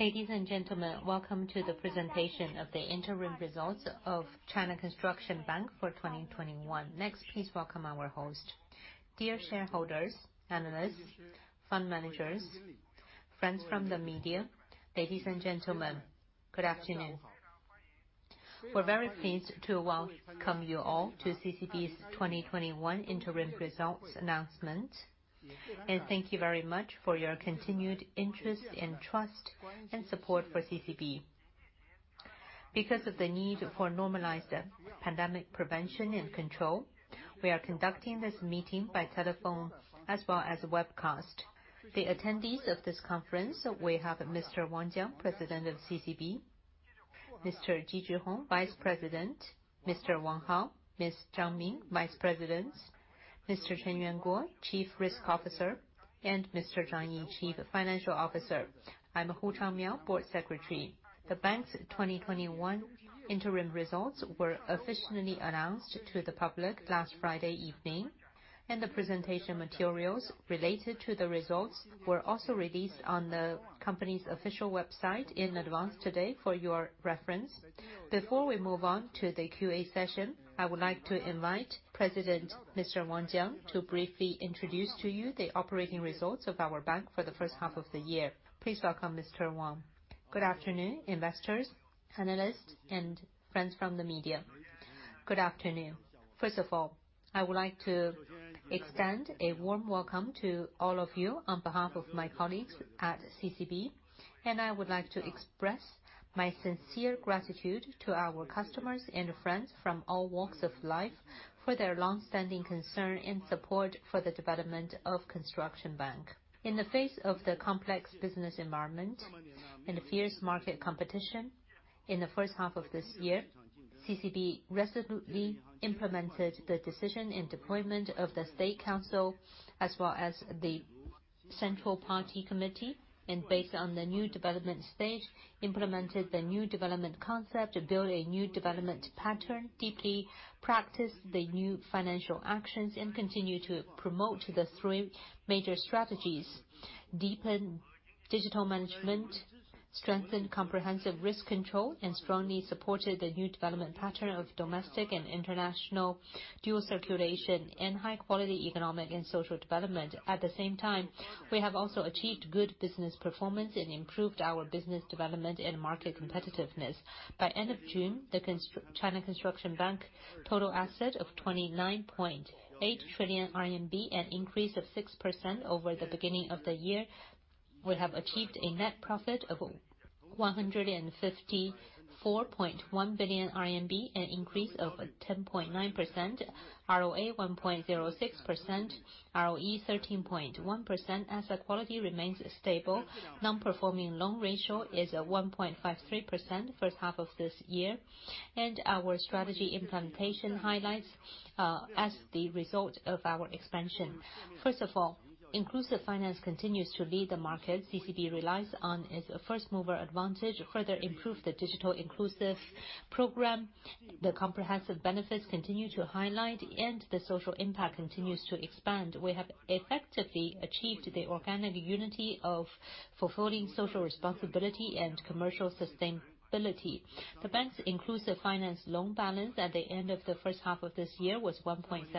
Ladies and gentlemen, welcome to the presentation of the interim results of China Construction Bank for 2021. Next, please welcome our host. Dear shareholders, analysts, fund managers, friends from the media, ladies and gentlemen, good afternoon. We're very pleased to welcome you all to CCB's 2021 interim results announcement, and thank you very much for your continued interest and trust and support for CCB. Because of the need for normalized pandemic prevention and control, we are conducting this meeting by telephone as well as webcast. The attendees of this conference, we have Mr. Wang Jiang, President of CCB, Mr. Ji Zhihong, Vice President, Mr. Wang Hao, Miss Zhang Min, Vice Presidents, Mr. Cheng Yuanguo, Chief Risk Officer, and Mr. Zhang Yi, Chief Financial Officer. I'm Hu Changmiao, Board Secretary. The bank's 2021 interim results were officially announced to the public last Friday evening, and the presentation materials related to the results were also released on the company's official website in advance today for your reference. Before we move on to the QA session, I would like to invite President Mr. Wang Jiang, to briefly introduce to you the operating results of our bank for the first half of the year. Please welcome Mr. Wang. Good afternoon, investors, analysts, and friends from the media. Good afternoon. First of all, I would like to extend a warm welcome to all of you on behalf of my colleagues at CCB, and I would like to express my sincere gratitude to our customers and friends from all walks of life for their long-standing concern and support for the development of Construction Bank. In the face of the complex business environment and fierce market competition in the first half of this year, CCB resolutely implemented the decision and deployment of the State Council as well as the Central Party Committee, based on the new development stage, implemented the new development concept to build a new development pattern, deeply practice the new financial actions, and continue to promote the three major strategies. Deepen digital management, strengthen comprehensive risk control, and strongly supported the new development pattern of domestic and international dual circulation and high-quality economic and social development. At the same time, we have also achieved good business performance and improved our business development and market competitiveness. By end of June, the China Construction Bank total asset of 29.8 trillion RMB, an increase of 6% over the beginning of the year. We have achieved a net profit of 154.1 billion RMB, an increase over 10.9%. ROA 1.06%, ROE 13.1%. Asset quality remains stable. Non-performing loan ratio is at 1.53% first half of this year. Our strategy implementation highlights, as the result of our expansion. First of all, inclusive finance continues to lead the market CCB relies on as a first-mover advantage, further improve the digital inclusive program. The comprehensive benefits continue to highlight and the social impact continues to expand. We have effectively achieved the organic unity of fulfilling social responsibility and commercial sustainability. The bank's inclusive finance loan balance at the end of the first half of this year was Rcertified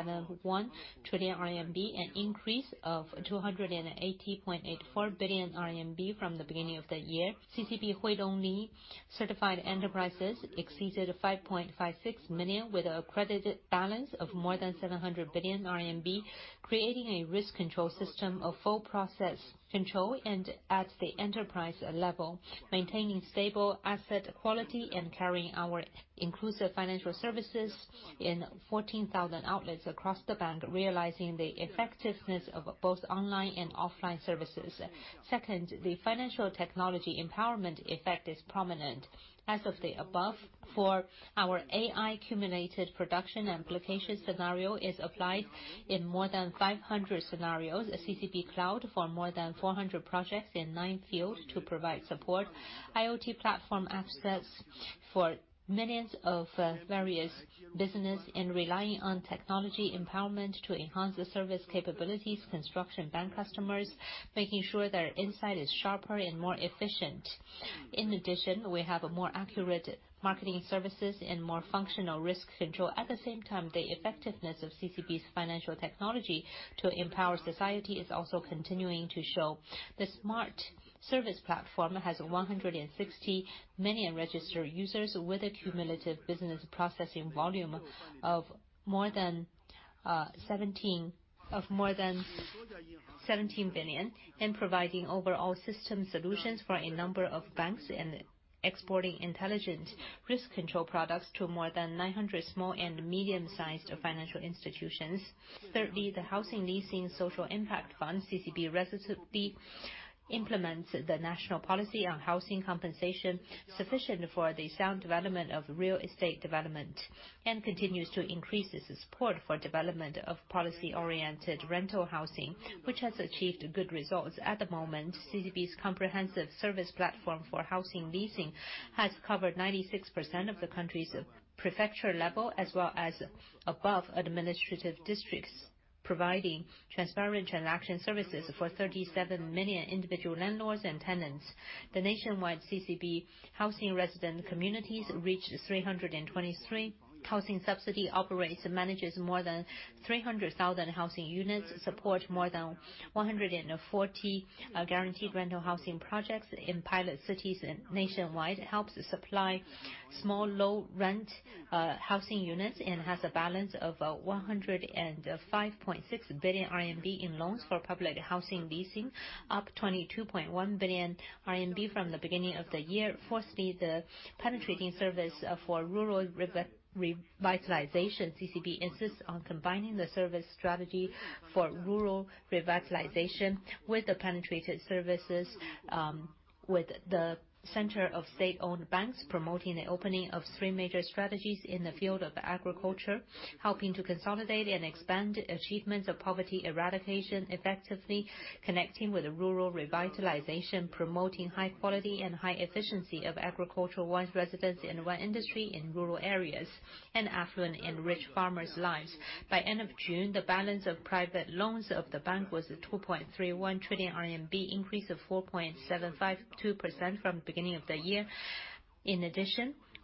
enterprises exceeded 5.56 million, with a credited balance of more than 700 billion RMB, creating a risk control system of full process control and at the enterprise level, maintaining stable asset quality and carrying our inclusive financial services in 14,000 outlets across the bank, realizing the effectiveness of both online and offline services. The financial technology empowerment effect is prominent. As of the above, for our AI-cumulated production application scenario is applied in more than 500 scenarios. CCB Cloud for more than 400 projects in 9 fields to provide support. IoT platform access for millions of various business and relying on technology empowerment to enhance the service capabilities China Construction Bank customers, making sure their insight is sharper and more efficient. We have a more accurate marketing services and more functional risk control. At the same time, the effectiveness of CCB's financial technology to empower society is also continuing to show. The smart service platform has 160 million registered users with a cumulative business processing volume of more than 17 billion and providing overall system solutions for a number of banks and exporting intelligent risk control products to more than 900 small and medium-sized financial institutions. The housing leasing social impact fund, CCB resolutely implements the national policy on housing compensation, sufficient for the sound development of real estate development and continues to increase its support for development of policy-oriented rental housing, which has achieved good results. CCB's comprehensive service platform for housing leasing has covered 96% of the country's prefecture level as well as above administrative districts, providing transparent transaction services for 37 million individual landlords and tenants. The nationwide CCB housing resident communities reached 323. Housing subsidy operates and manages more than 300,000 housing units, support more than 140 guaranteed rental housing projects in pilot cities and nationwide. Helps supply small low rent housing units and has a balance of 105.6 billion RMB in loans for public housing leasing, up 22.1 billion RMB from the beginning of the year. Fourthly, the penetrating service for Rural Revitalization. CCB insists on combining the service strategy for Rural Revitalization with the penetrated services, with the center of state-owned banks promoting the opening of three major strategies in the field of agriculture. Helping to consolidate and expand achievements of Poverty Eradication effectively, connecting with Rural Revitalization, promoting high quality and high efficiency of agricultural residents and urban industry in rural areas, and affluent enrich farmers' lives. By end of June, the balance of private loans of the bank was 2.31 trillion RMB, increase of 4.752% from the beginning of the year.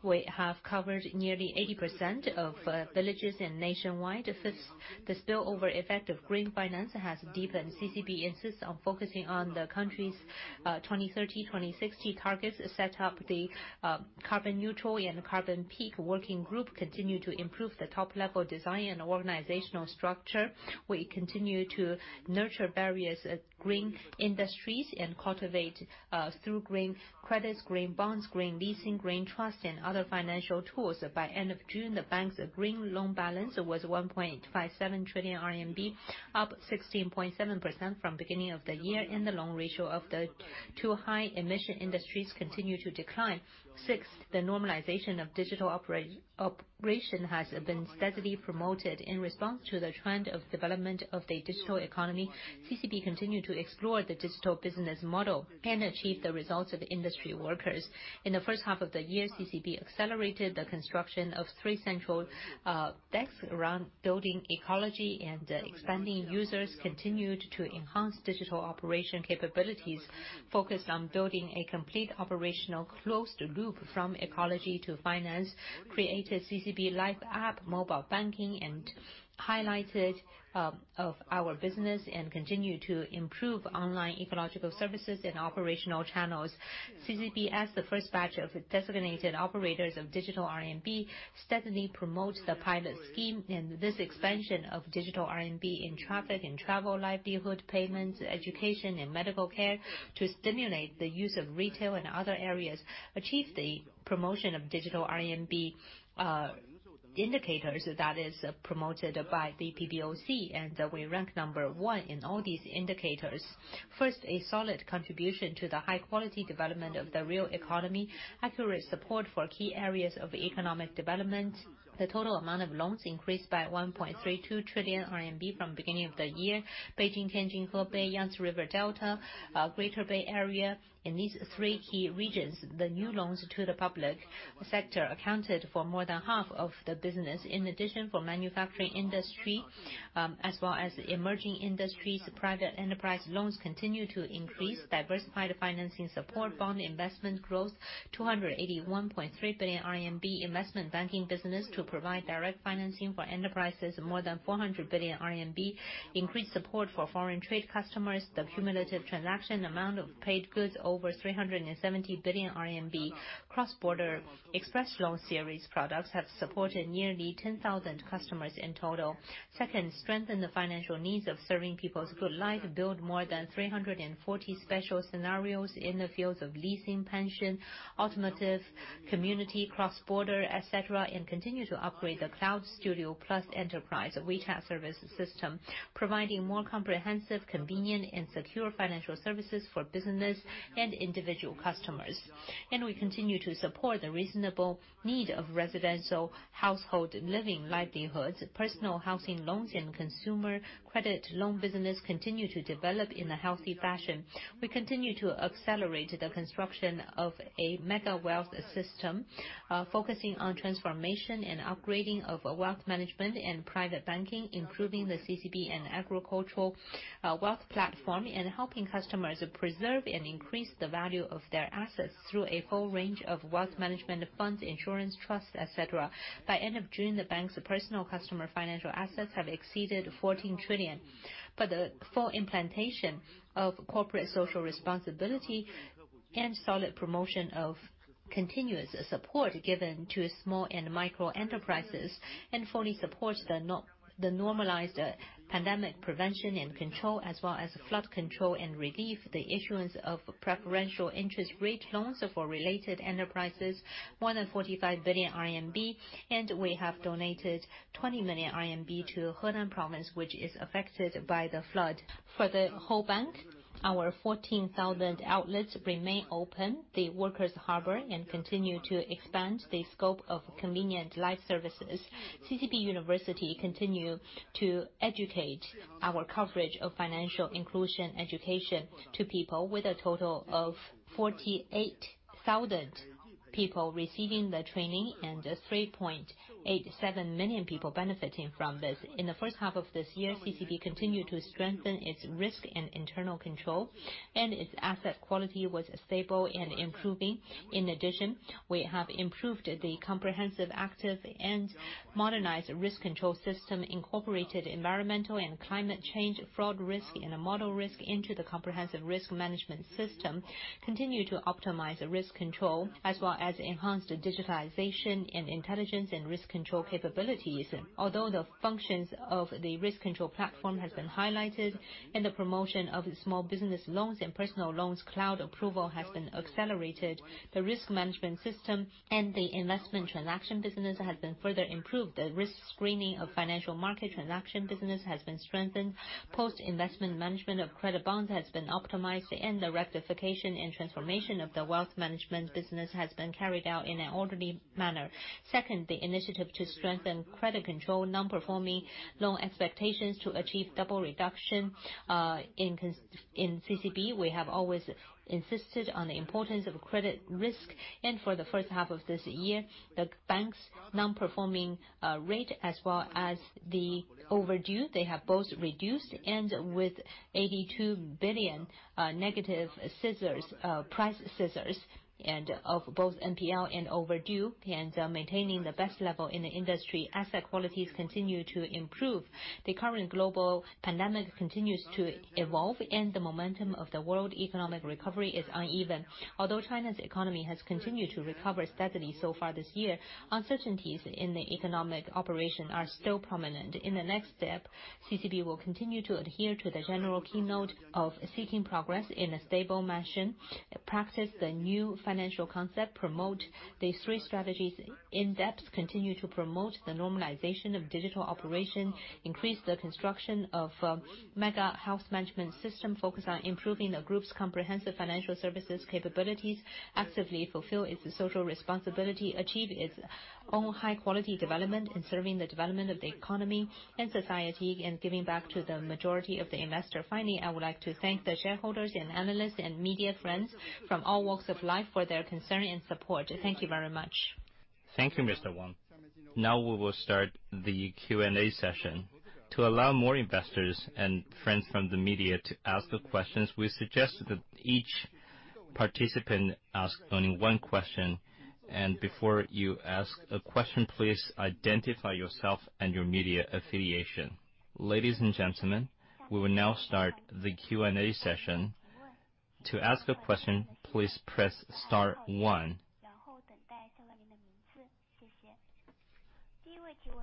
We have covered nearly 80% of villages nationwide. Fifth, the spillover effect of green finance has deepened. CCB insists on focusing on the country's 2030, 2060 targets, set up the carbon neutral and carbon peak working group, continue to improve the top-level design and organizational structure. We continue to nurture various green industries and cultivate through green credits, green bonds, green leasing, green trust, and other financial tools. By end of June, the bank's green loan balance was 1.57 trillion RMB, up 16.7% from beginning of the year. The loan ratio of the two high emission industries continued to decline. Sixth, the normalization of digital operation has been steadily promoted. In response to the trend of development of the digital economy, CCB continued to explore the digital business model and achieve the results of the industry workers. In the first half of the year, CCB accelerated the construction of 3 central decks around building ecology and expanding users, continued to enhance digital operation capabilities, focused on building a complete operational closed loop from ecology to finance, created CCB Life App mobile banking, and highlighted of our business, and continued to improve online ecological services and operational channels. CCB, as the first batch of designated operators of digital RMB, steadily promotes the pilot scheme and this expansion of digital RMB in traffic and travel, livelihood payments, education and medical care, to stimulate the use of retail and other areas, achieve the promotion of digital RMB indicators that is promoted by the PBOC, and we rank number one in all these indicators. First, a solid contribution to the high-quality development of the real economy, accurate support for key areas of economic development. The total amount of loans increased by 1.32 trillion RMB from beginning of the year. Beijing-Tianjin-Hebei, Yangtze River Delta, Greater Bay Area, in these three key regions, the new loans to the public sector accounted for more than half of the business. In addition, for manufacturing industry, as well as emerging industries, private enterprise loans continue to increase diversified financing support, bond investment growth, 281.3 billion RMB investment banking business to provide direct financing for enterprises more than 400 billion RMB. Increased support for foreign trade customers. The cumulative transaction amount of paid goods over 370 billion RMB. Cross-border express loan series products have supported nearly 10,000 customers in total. Second, strengthen the financial needs of serving people's good life. Build more than 340 special scenarios in the fields of leasing, pension, automotive, community, cross-border, et cetera, continue to upgrade the Cloud Studio Plus enterprise WeChat service system, providing more comprehensive, convenient, and secure financial services for business and individual customers. We continue to support the reasonable need of residential household living livelihoods. Personal housing loans and consumer credit loan business continue to develop in a healthy fashion. We continue to accelerate the construction of a mega wealth system, focusing on transformation and upgrading of wealth management and private banking, improving the CCB and agricultural wealth platform, helping customers preserve and increase the value of their assets through a whole range of wealth management funds, insurance, trusts, et cetera. By end of June, the bank's personal customer financial assets have exceeded 14 trillion. For the full implementation of corporate social responsibility and solid promotion of continuous support given to small and micro enterprises, and fully supports the normalized pandemic prevention and control, as well as flood control and relief. The issuance of preferential interest rate loans for related enterprises, more than 45 billion RMB. We have donated 20 million RMB to Henan province, which is affected by the flood. For the whole bank, our 14,000 outlets remain open the Workers' Harbor, and continue to expand the scope of convenient life services. CCB University continue to educate our coverage of financial inclusion education to people with a total of 48,000 people receiving the training and 3.87 million people benefiting from this. In the first half of this year, CCB continued to strengthen its risk and internal control, and its asset quality was stable and improving. In addition, we have improved the comprehensive active and modernized risk control system, incorporated environmental and climate change, fraud risk, and model risk into the comprehensive risk management system, continue to optimize risk control, as well as enhance the digitalization and intelligence and risk control capabilities. Although the functions of the risk control platform has been highlighted and the promotion of small business loans and personal loans, cloud approval has been accelerated. The risk management system and the investment transaction business has been further improved. The risk screening of financial market transaction business has been strengthened. Post-investment management of credit bonds has been optimized, and the rectification and transformation of the wealth management business has been carried out in an orderly manner. Second, the initiative to strengthen credit control, non-performing loan expectations to achieve double reduction. In CCB, we have always insisted on the importance of credit risk. For the first half of this year, the bank's non-performing rate as well as the overdue, they have both reduced and with 82 billion negative price scissors of both NPL and overdue, and maintaining the best level in the industry. Asset qualities continue to improve. The current global pandemic continues to evolve and the momentum of the world economic recovery is uneven. Although China's economy has continued to recover steadily so far this year, uncertainties in the economic operation are still prominent. In the next step, CCB will continue to adhere to the general keynote of seeking progress in a stable manner, practice the new financial concept, promote the three strategies in depth, continue to promote the normalization of digital operation, increase the construction of mega wealth management system, focus on improving the group's comprehensive financial services capabilities, actively fulfill its social responsibility, achieve its own high-quality development in serving the development of the economy and society, and giving back to the majority of the investor. Finally, I would like to thank the shareholders and analysts and media friends from all walks of life for their concern and support. Thank you very much. Thank you, Mr. Wang. Now we will start the Q&A session. To allow more investors and friends from the media to ask the questions, we suggest that each participant asks only one question. Before you ask a question, please identify yourself and your media affiliation. Ladies and gentlemen, we will now start the Q&A session. To ask a question, please press star one.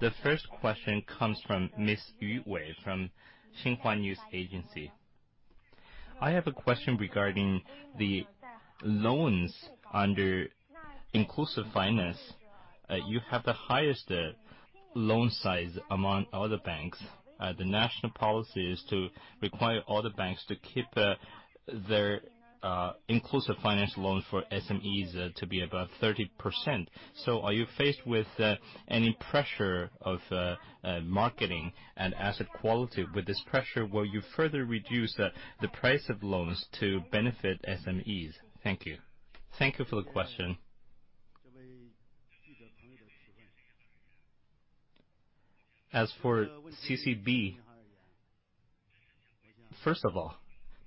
The first question comes from Ms. Yu Wei from Xinhua News Agency. I have a question regarding the loans under inclusive finance. You have the highest loan size among other banks. The national policy is to require other banks to keep their inclusive finance loans for SMEs to be above 30%. Are you faced with any pressure of marketing and asset quality? With this pressure, will you further reduce the price of loans to benefit SMEs? Thank you. Thank you for the question. As for CCB, first of all,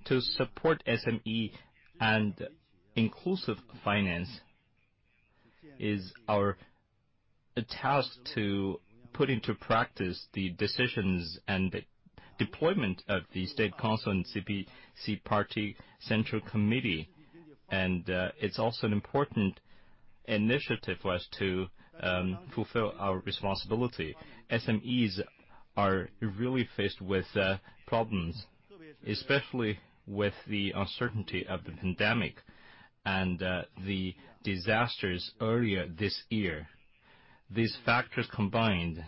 to support SME and inclusive finance is our task to put into practice the decisions and the deployment of the State Council and CPC Party Central Committee, and it's also an important initiative for us to fulfill our responsibility. SMEs are really faced with problems, especially with the uncertainty of the pandemic and the disasters earlier this year. These factors combined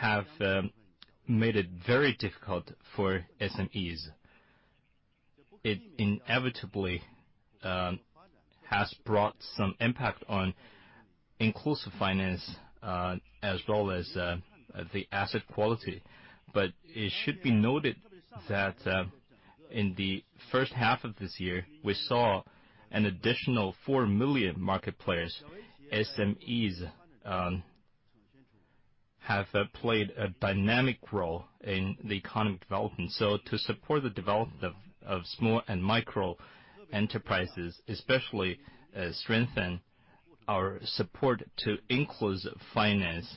have made it very difficult for SMEs. It inevitably has brought some impact on inclusive finance as well as the asset quality. It should be noted that in the first half of this year, we saw an additional 4 million market players. SMEs have played a dynamic role in the economic development. To support the development of small and micro enterprises, especially strengthen our support to inclusive finance,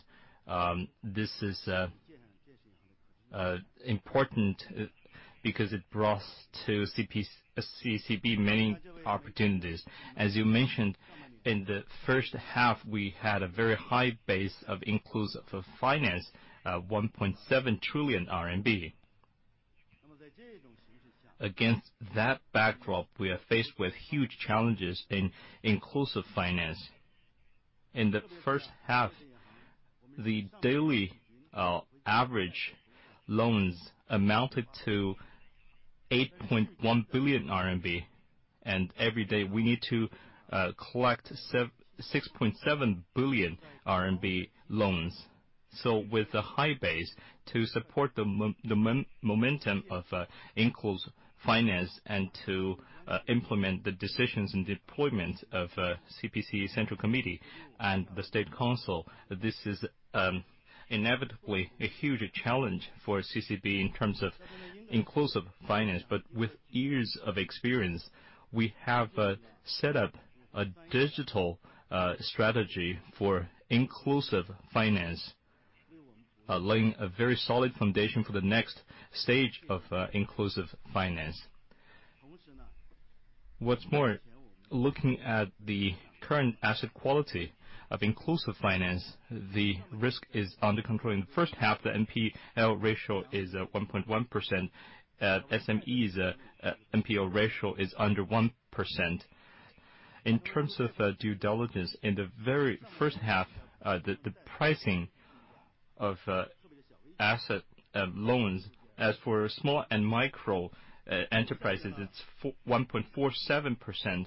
this is a Important because it brought to CCB many opportunities. As you mentioned, in the first half, we had a very high base of inclusive finance, 1.7 trillion RMB. Against that backdrop, we are faced with huge challenges in inclusive finance. In the first half, the daily average loans amounted to 8.1 billion RMB, and every day we need to collect 6.7 billion RMB loans. With the high base to support the momentum of inclusive finance and to implement the decisions and deployments of CPC Central Committee and the State Council, this is inevitably a huge challenge for CCB in terms of inclusive finance. With years of experience, we have set up a digital strategy for inclusive finance, laying a very solid foundation for the next stage of inclusive finance. What's more, looking at the current asset quality of inclusive finance, the risk is under control. In the first half, the NPL ratio is at 1.1%. SMEs NPL ratio is under 1%. In terms of due diligence, in the very first half, the pricing of asset loans. As for small and micro enterprises, it's 1.47%.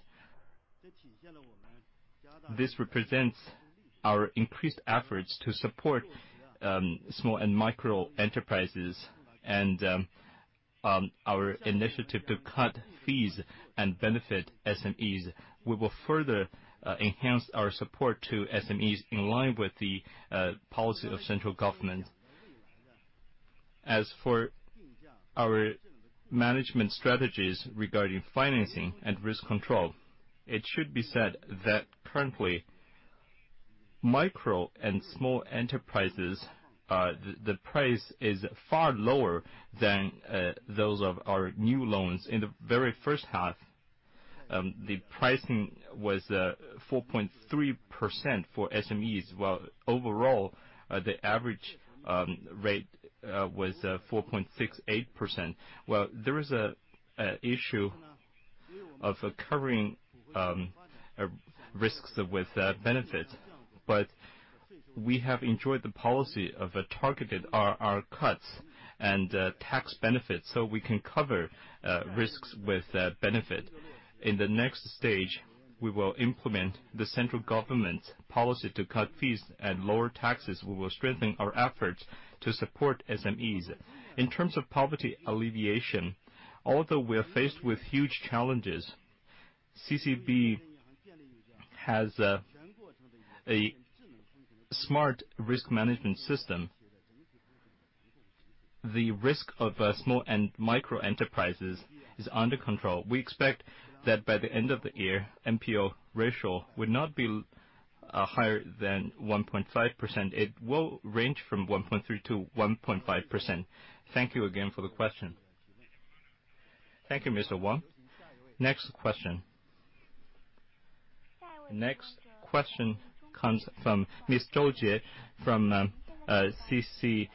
This represents our increased efforts to support small and micro enterprises and our initiative to cut fees and benefit SMEs. We will further enhance our support to SMEs in line with the policy of central government. As for our management strategies regarding financing and risk control, it should be said that currently, micro and small enterprises, the price is far lower than those of our new loans. In the very first half, the pricing was 4.3% for SMEs, while overall, the average rate was 4.68%, where there is an issue of covering risks with benefits. We have enjoyed the policy of targeted RRR cuts and tax benefits, so we can cover risks with benefit. In the next stage, we will implement the central government's policy to cut fees and lower taxes. We will strengthen our efforts to support SMEs. In terms of poverty alleviation, although we are faced with huge challenges, CCB has a smart risk management system. The risk of small and micro enterprises is under control. We expect that by the end of the year, NPL ratio would not be higher than 1.5%. It will range from 1.3%-1.5%. Thank you again for the question. Thank you, Mr. Wang. Next question. Next question comes from Ms. Zhou Ye from CICC.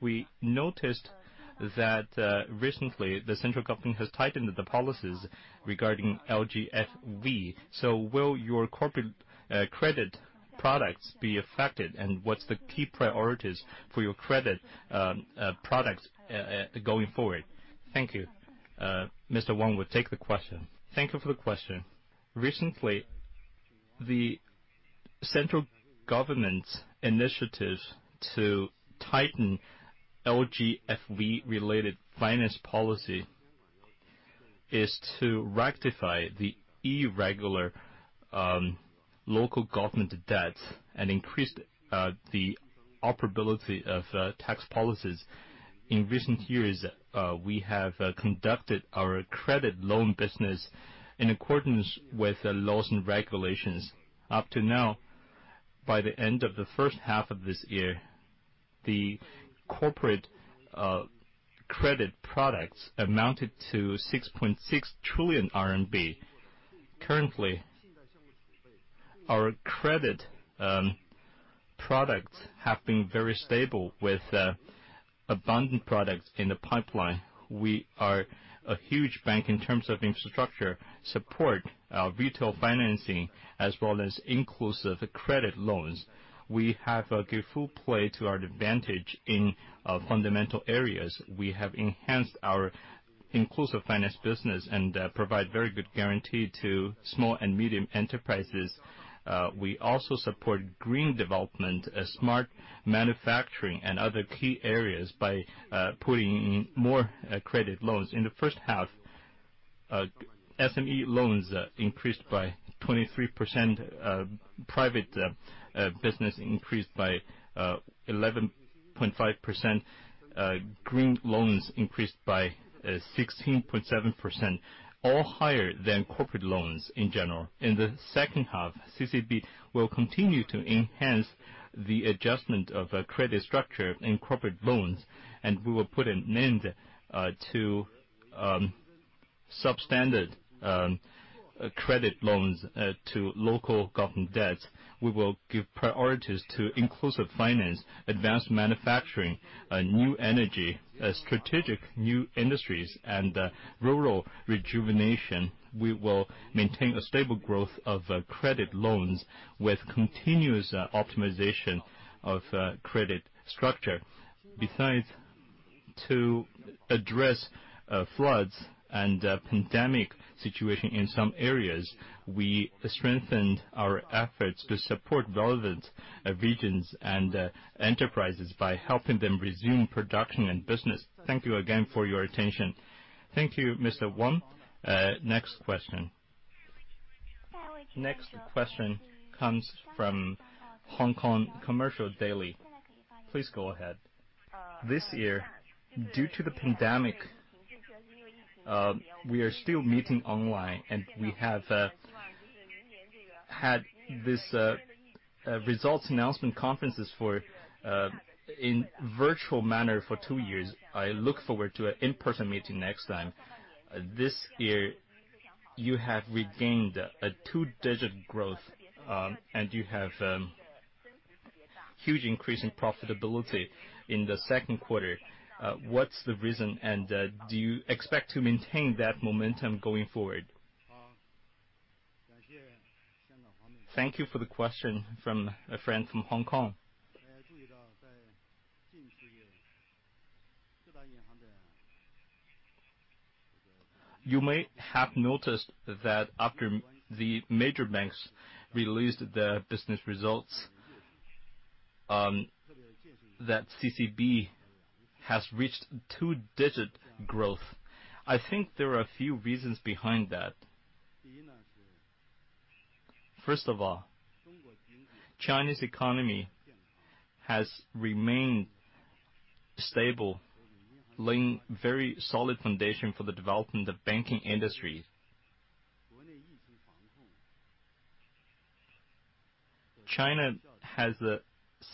We noticed that recently, the central government has tightened the policies regarding LGFV. Will your corporate credit products be affected, and what's the key priorities for your credit products going forward? Thank you. Mr. Wang will take the question. Thank you for the question. Recently, the central government's initiative to tighten LGFV related finance policy is to rectify the irregular local government debts and increase the operability of tax policies. In recent years, we have conducted our credit loan business in accordance with the laws and regulations. Up to now, by the end of the first half of this year, the corporate credit products amounted to 6.6 trillion RMB. Currently, our credit products have been very stable with abundant products in the pipeline. We are a huge bank in terms of infrastructure support, retail financing, as well as inclusive credit loans. We have give full play to our advantage in fundamental areas. We have enhanced our inclusive finance business and provide very good guarantee to small and medium enterprises. We also support green development, smart manufacturing, and other key areas by putting in more credit loans. In the first half, SME loans increased by 23%. Private business increased by 11.5%. Green loans increased by 16.7%, all higher than corporate loans in general. In the second half, CCB will continue to enhance the adjustment of credit structure in corporate loans, and we will put an end to substandard credit loans to local government debts. We will give priorities to inclusive finance, advanced manufacturing, new energy, strategic new industries, and rural rejuvenation. We will maintain a stable growth of credit loans with continuous optimization of credit structure. Besides, to address floods and pandemic situation in some areas, we strengthened our efforts to support relevant regions and enterprises by helping them resume production and business. Thank you again for your attention. Thank you, Mr. Wang. Next question. Next question comes from Hong Kong Commercial Daily. Please go ahead. This year, due to the pandemic, we are still meeting online, and we have had these results announcement conferences in virtual manner for two years. I look forward to an in-person meeting next time. This year, you have regained a two-digit growth, and you have a huge increase in profitability in the second quarter. What's the reason, and do you expect to maintain that momentum going forward? Thank you for the question from a friend from Hong Kong. You may have noticed that after the major banks released their business results, that CCB has reached 2-digit growth. I think there are a few reasons behind that. First of all, China's economy has remained stable, laying very solid foundation for the development of the banking industry. China has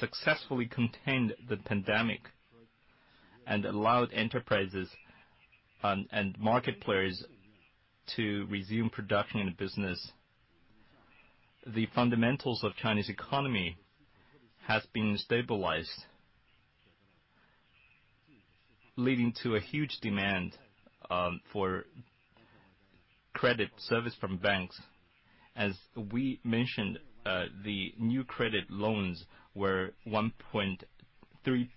successfully contained the pandemic and allowed enterprises and market players to resume production and business. The fundamentals of China's economy has been stabilized, leading to a huge demand for credit service from banks. As we mentioned, the new credit loans were 1.32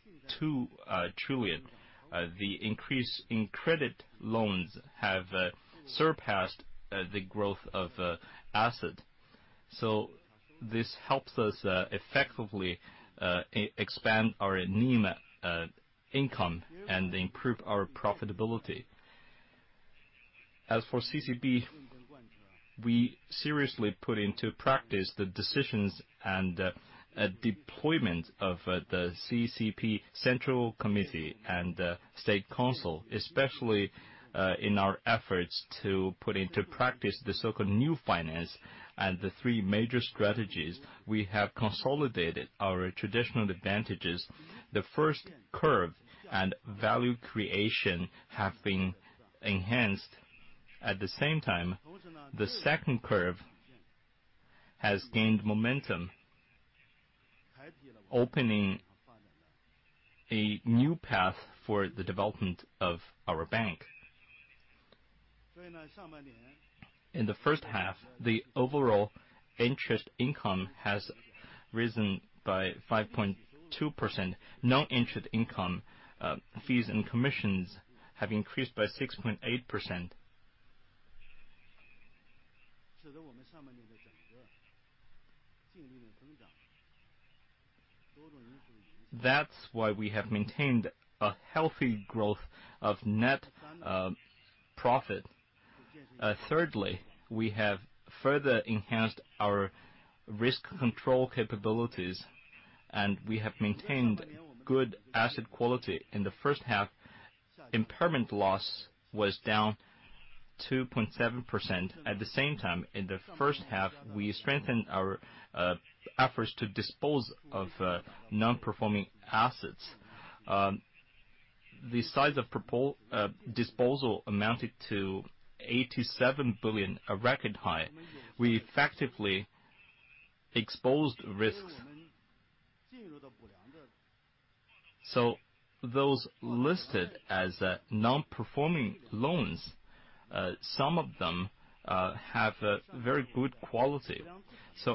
trillion. The increase in credit loans have surpassed the growth of asset. This helps us effectively expand our NIM income and improve our profitability. As for CCB, we seriously put into practice the decisions and deployment of the CCP Central Committee and State Council, especially in our efforts to put into practice the so-called new finance and the three major strategies. We have consolidated our traditional advantages. The first curve and value creation have been enhanced. At the same time, the second curve has gained momentum, opening a new path for the development of our bank. In the first half, the overall interest income has risen by 5.2%. Non-interest income fees and commissions have increased by 6.8%. That's why we have maintained a healthy growth of net profit. Thirdly, we have further enhanced our risk control capabilities, and we have maintained good asset quality. In the first half, impairment loss was down 2.7%. At the same time, in the first half, we strengthened our efforts to dispose of non-performing assets. The size of disposal amounted to 87 billion, a record high. We effectively exposed risks. Those listed as non-performing loans, some of them have very good quality.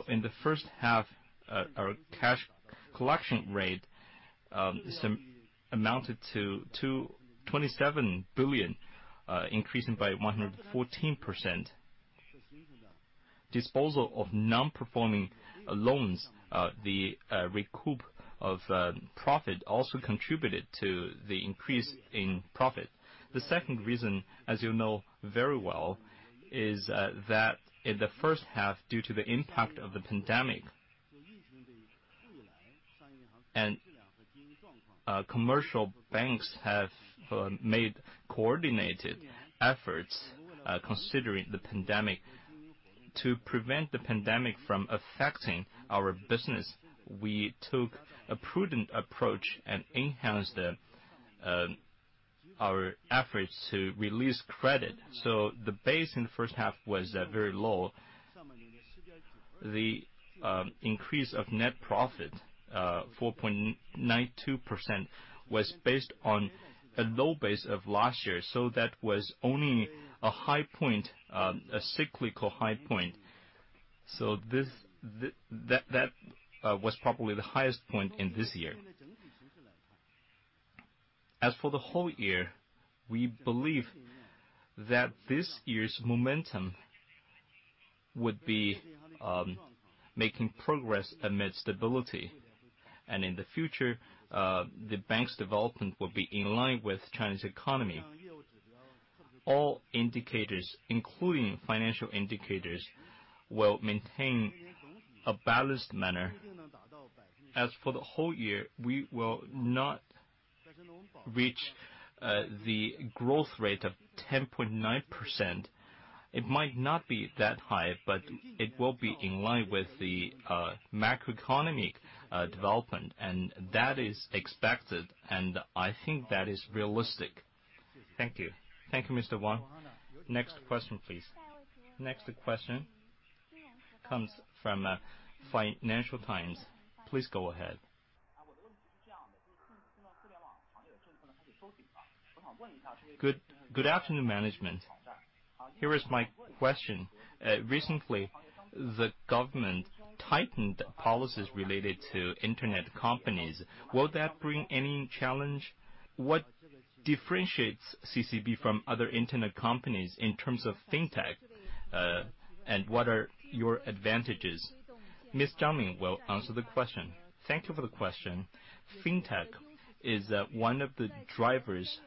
In the first half, our cash collection rate amounted to 27 billion, increasing by 114%. Disposal of non-performing loans, the recoup of profit also contributed to the increase in profit. The second reason, as you know very well, is that in the first half, due to the impact of the pandemic. Commercial banks have made coordinated efforts considering the pandemic. To prevent the pandemic from affecting our business, we took a prudent approach and enhanced our efforts to release credit. The base in the first half was very low. The increase of net profit, 4.92%, was based on a low base of last year, so that was only a cyclical high point. That was probably the highest point in this year. As for the whole year, we believe that this year's momentum would be making progress amid stability. In the future, the bank's development will be in line with China's economy. All indicators, including financial indicators, will maintain a balanced manner. As for the whole year, we will not reach the growth rate of 10.9%. It might not be that high, but it will be in line with the macroeconomic development, and that is expected, and I think that is realistic. Thank you. Thank you, Mr. Wang. Next question, please. Next question comes from Financial Times. Please go ahead. Good afternoon, management. Here is my question. Recently, the government tightened policies related to internet companies. Will that bring any challenge? What differentiates CCB from other internet companies in terms of fintech? What are your advantages? Ms. Zhang will answer the question. Thank you for the question. Fintech is one of the drivers,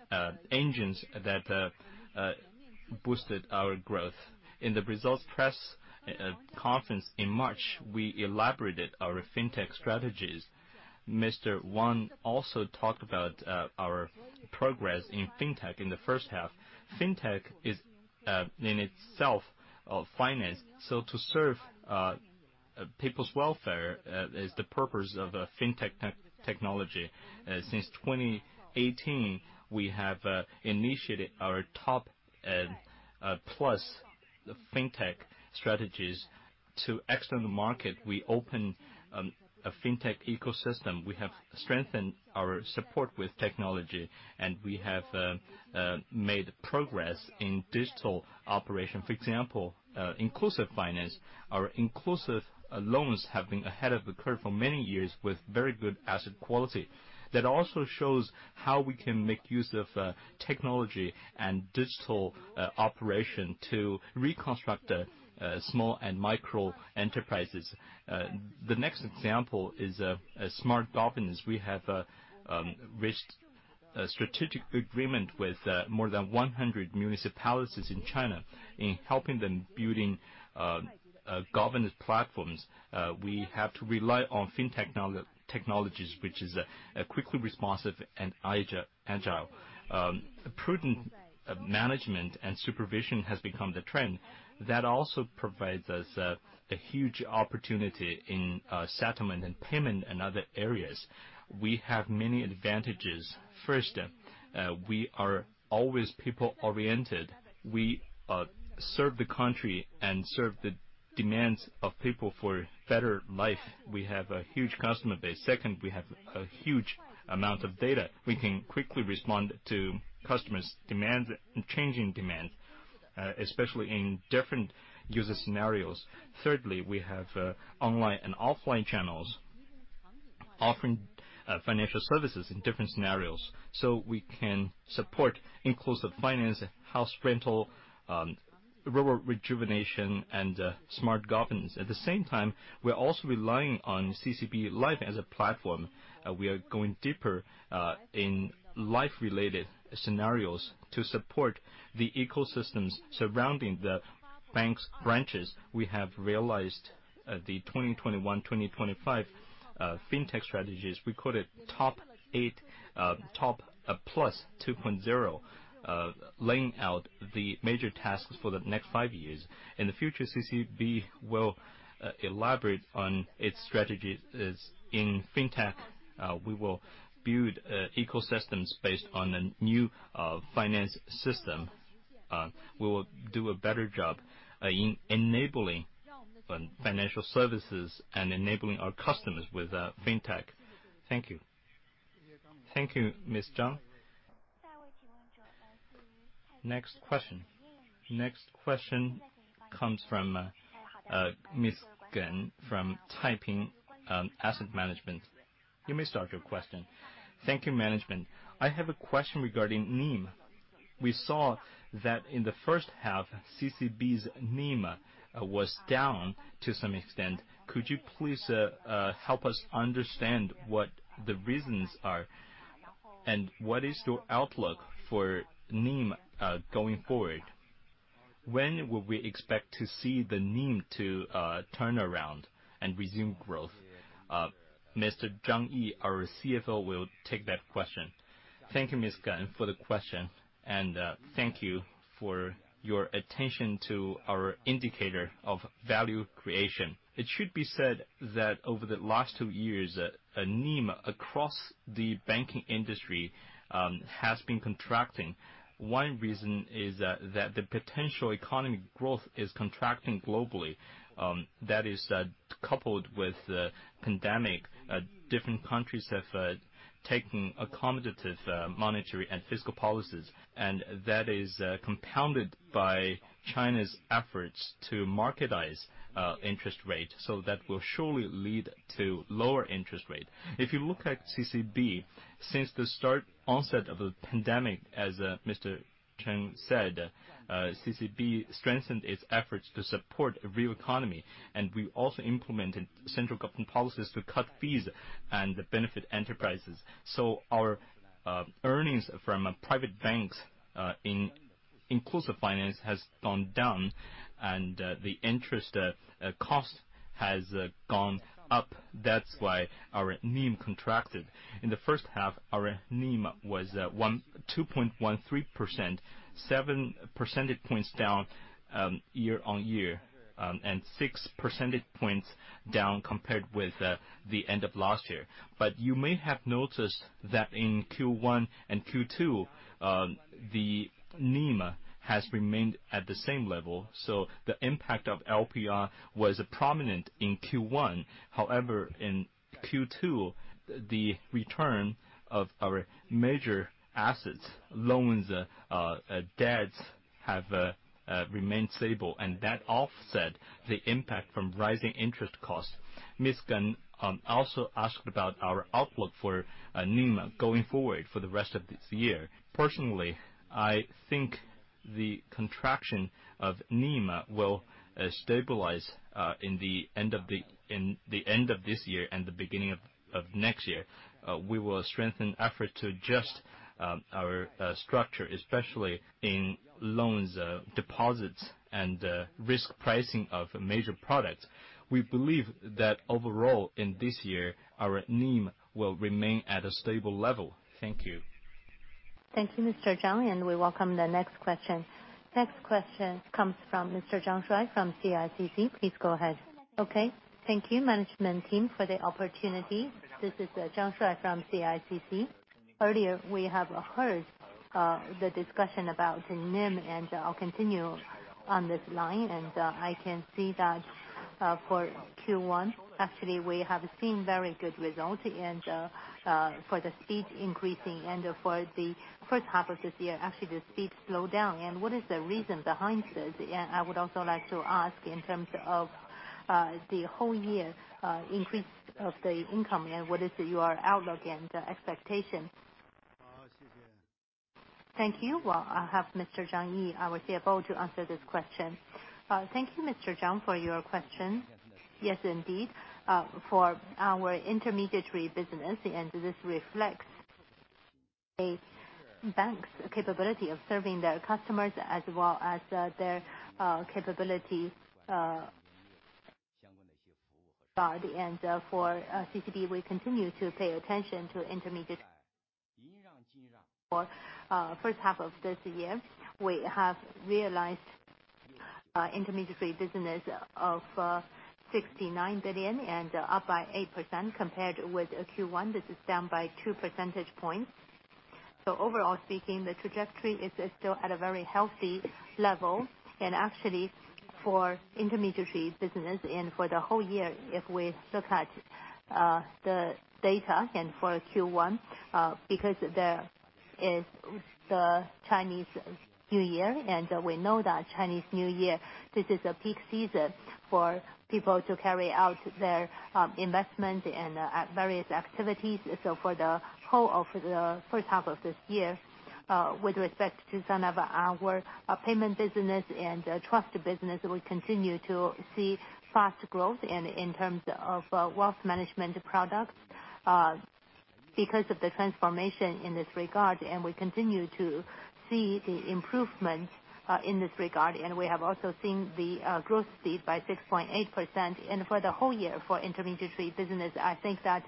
engines that boosted our growth. In the results press conference in March, we elaborated our fintech strategies. Mr. Wang also talked about our progress in fintech in the first half. Fintech is in itself finance. To serve people's welfare is the purpose of fintech technology. Since 2018, we have initiated our TOP+ fintech strategies. To extend the market, we opened a fintech ecosystem. We have strengthened our support with technology, and we have made progress in digital operation. For example, inclusive finance. Our inclusive loans have been ahead of the curve for many years with very good asset quality. That also shows how we can make use of technology and digital operation to reconstruct small and micro enterprises. The next example is smart governance. We have reached a strategic agreement with more than 100 municipalities in China in helping them building governance platforms. We have to rely on fintech technologies, which is quickly responsive and agile. Prudent management and supervision has become the trend. That also provides us a huge opportunity in settlement and payment and other areas. We have many advantages. First, we are always people-oriented. We serve the country and serve the demands of people for better life. We have a huge customer base. Second, we have a huge amount of data. We can quickly respond to customers' demands and changing demands, especially in different user scenarios. Thirdly, we have online and offline channels offering financial services in different scenarios. We can support inclusive finance, house rental, rural rejuvenation, and smart governance. At the same time, we're also relying on CCB Life as a platform. We are going deeper in life-related scenarios to support the ecosystems surrounding the bank's branches. We have realized the 2021, 2025 fintech strategies. We call it TOP+ 2.0, laying out the major tasks for the next five years. In the future, CCB will elaborate on its strategies in fintech. We will build ecosystems based on a new finance system. We will do a better job in enabling financial services and enabling our customers with fintech. Thank you, Ms. Zhang. Next question. Next question comes from Ms. Gan from Taiping Asset Management. You may start your question. Thank you, management. I have a question regarding NIM. We saw that in the first half, CCB's NIM was down to some extent. Could you please help us understand what the reasons are, and what is your outlook for NIM going forward? When will we expect to see the NIM to turn around and resume growth? Mr. Zhang Yi, our CFO, will take that question. Thank you, Ms. Gan, for the question, and thank you for your attention to our indicator of value creation. It should be said that over the last two years, NIM across the banking industry has been contracting. 1 reason is that the potential economy growth is contracting globally. That is coupled with the pandemic. Different countries have taken accommodative monetary and fiscal policies, and that is compounded by China's efforts to marketize interest rate. That will surely lead to lower interest rate. If you look at CCB, since the onset of the pandemic, as Mr. Cheng said, CCB strengthened its efforts to support a real economy. We also implemented central government policies to cut fees and benefit enterprises. Our earnings from private banks in inclusive finance has gone down, and the interest cost has gone up. That's why our NIM contracted. In the first half, our NIM was 2.13%, 7 percentage points down year-on-year, and 6 percentage points down compared with the end of last year. You may have noticed that in Q1 and Q2, the NIM has remained at the same level. The impact of LPR was prominent in Q1. However, in Q2, the return of our major assets, loans, debts, have remained stable, and that offset the impact from rising interest costs. Ms. Gan also asked about our outlook for NIM going forward for the rest of this year. Personally, I think the contraction of NIM will stabilize in the end of this year and the beginning of next year. We will strengthen effort to adjust our structure, especially in loans, deposits, and risk pricing of major products. We believe that overall in this year, our NIM will remain at a stable level. Thank you. Thank you, Mr. Zhang, and we welcome the next question. Next question comes from Mr. Zhang Shuai from CICC. Please go ahead. Okay. Thank you, management team, for the opportunity. This is Zhang Shuaishuai from CICC. Earlier, we have heard the discussion about the NIM, and I'll continue on this line. I can see that for Q1, actually, we have seen very good results. For the speed increasing and for the first half of this year, actually, the speed slowed down. What is the reason behind this? I would also like to ask in terms of the whole year increase of the income, and what is your outlook and expectation? Thank you. Well, I'll have Mr. Zhang Yi, our CFO, to answer this question. Thank you, Mr. Zhang, for your question. Yes, indeed. For our intermediary business, this reflects a bank's capability of serving their customers as well as their capabilities. For CCB, we continue to pay attention to intermediary. For first half of this year, we have realized intermediary business of 69 billion and up by 8% compared with Q1. This is down by 2 percentage points. Overall speaking, the trajectory is still at a very healthy level. Actually, for intermediary business and for the whole year, if we look at the data and for Q1, because there is the Chinese New Year, and we know that Chinese New Year, this is a peak season for people to carry out their investment and various activities. For the whole of the first half of this year, with respect to some of our payment business and trust business, we continue to see fast growth in terms of wealth management products because of the transformation in this regard. We continue to see the improvement in this regard, we have also seen the growth speed by 6.8%. For the whole year for intermediary business, I think that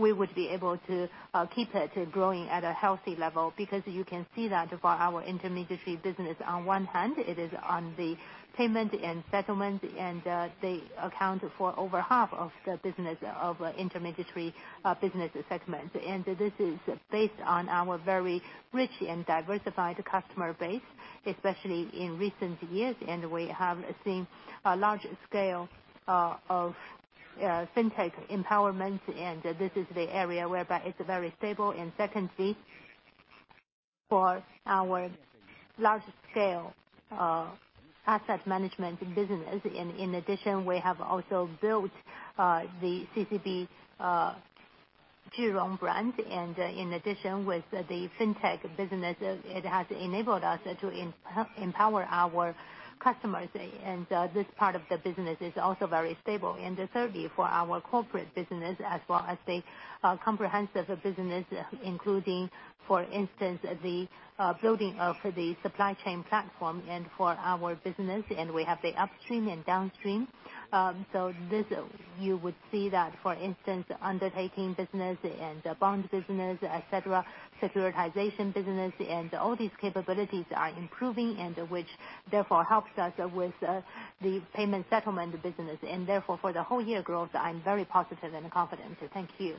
we would be able to keep it growing at a healthy level because you can see that for our intermediary business, on one hand, it is on the payment and settlement, and they account for over half of the business of intermediary business segment. This is based on our very rich and diversified customer base, especially in recent years. We have seen a large scale of fintech empowerment, this is the area whereby it's very stable and secondly for our large scale asset management business. In addition, we have also built the CCB Zhihong brand, in addition with the fintech business, it has enabled us to empower our customers. This part of the business is also very stable. Thirdly, for our corporate business, as well as the comprehensive business, including, for instance, the building of the supply chain platform and for our business. We have the upstream and downstream. This, you would see that, for instance, undertaking business and the bond business, et cetera, securitization business, all these capabilities are improving and which therefore helps us with the payment settlement business. Therefore, for the whole year growth, I'm very positive and confident. Thank you.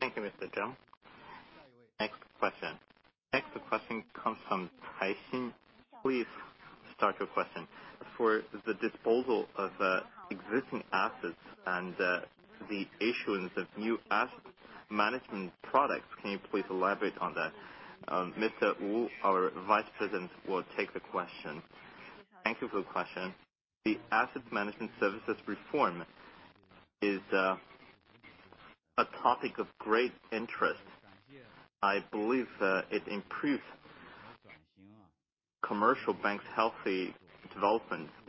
Thank you, Mr. Zhang. Next question. Next question comes from Taishin. Please start your question. For the disposal of existing assets and the issuance of new asset management products, can you please elaborate on that? Mr. Hong, our Vice President, will take the question. Thank you for the question. The asset management services reform is a topic of great interest. I believe it improves commercial banks' healthy development.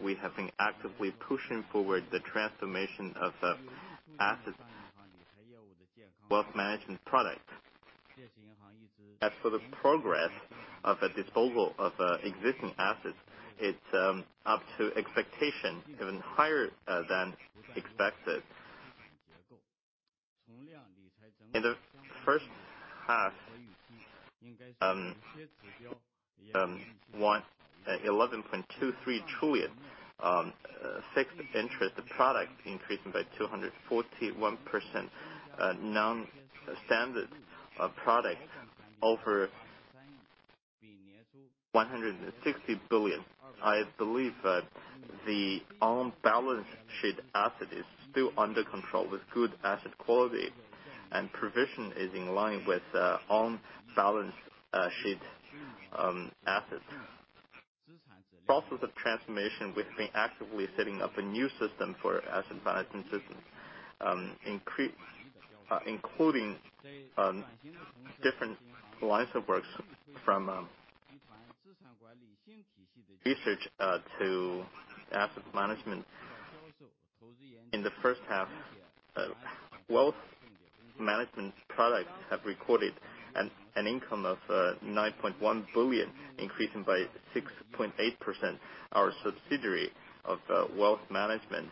We have been actively pushing forward the transformation of the assets wealth management product. As for the progress of the disposal of existing assets, it's up to expectation, even higher than expected. In the first half, 11.23 trillion fixed interest product increasing by 241%. Non-standard product over 160 billion. I believe that the on-balance sheet asset is still under control with good asset quality, and provision is in line with on-balance sheet assets. Process of transformation, we've been actively setting up a new system for asset management systems, including different lines of works from research to asset management. In the first half, wealth management products have recorded an income of 9.1 billion, increasing by 6.8%. Our subsidiary of wealth management,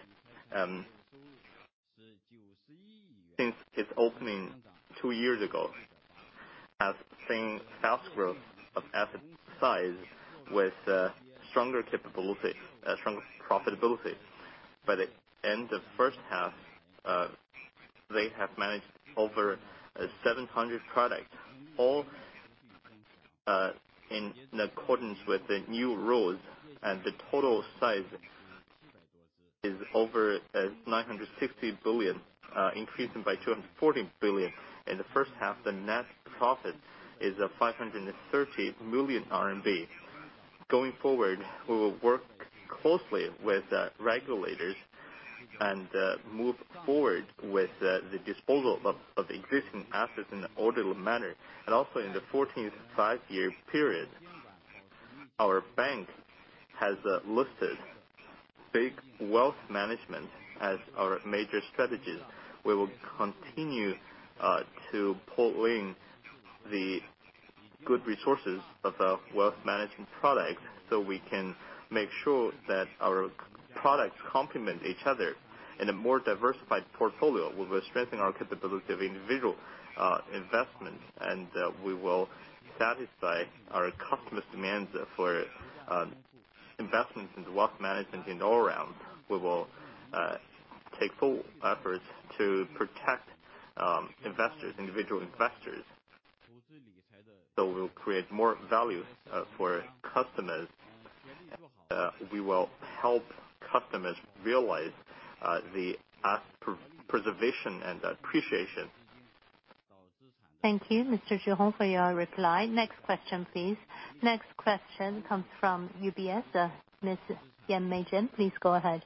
since its opening two years ago, has seen fast growth of asset size with stronger profitability. By the end of the first half, they have managed over 700 products, all in accordance with the new rules, and the total size is over 960 billion, increasing by 240 billion. In the first half, the net profit is 530 million RMB. Going forward, we will work closely with regulators and move forward with the disposal of existing assets in an orderly manner. In the 14th 5-year period, our bank has listed mega wealth management as our major strategies. We will continue to pull in the good resources of the wealth management products so we can make sure that our products complement each other in a more diversified portfolio. We will strengthen our capability of individual investment, and we will satisfy our customers' demands for investments into wealth management in all around. We will take full efforts to protect individual investors. We will create more value for customers. We will help customers realize the asset preservation and appreciation. Thank you, Ji Zhihong, for your reply. Next question, please. Next question comes from UBS. Ms. May Yan, please go ahead.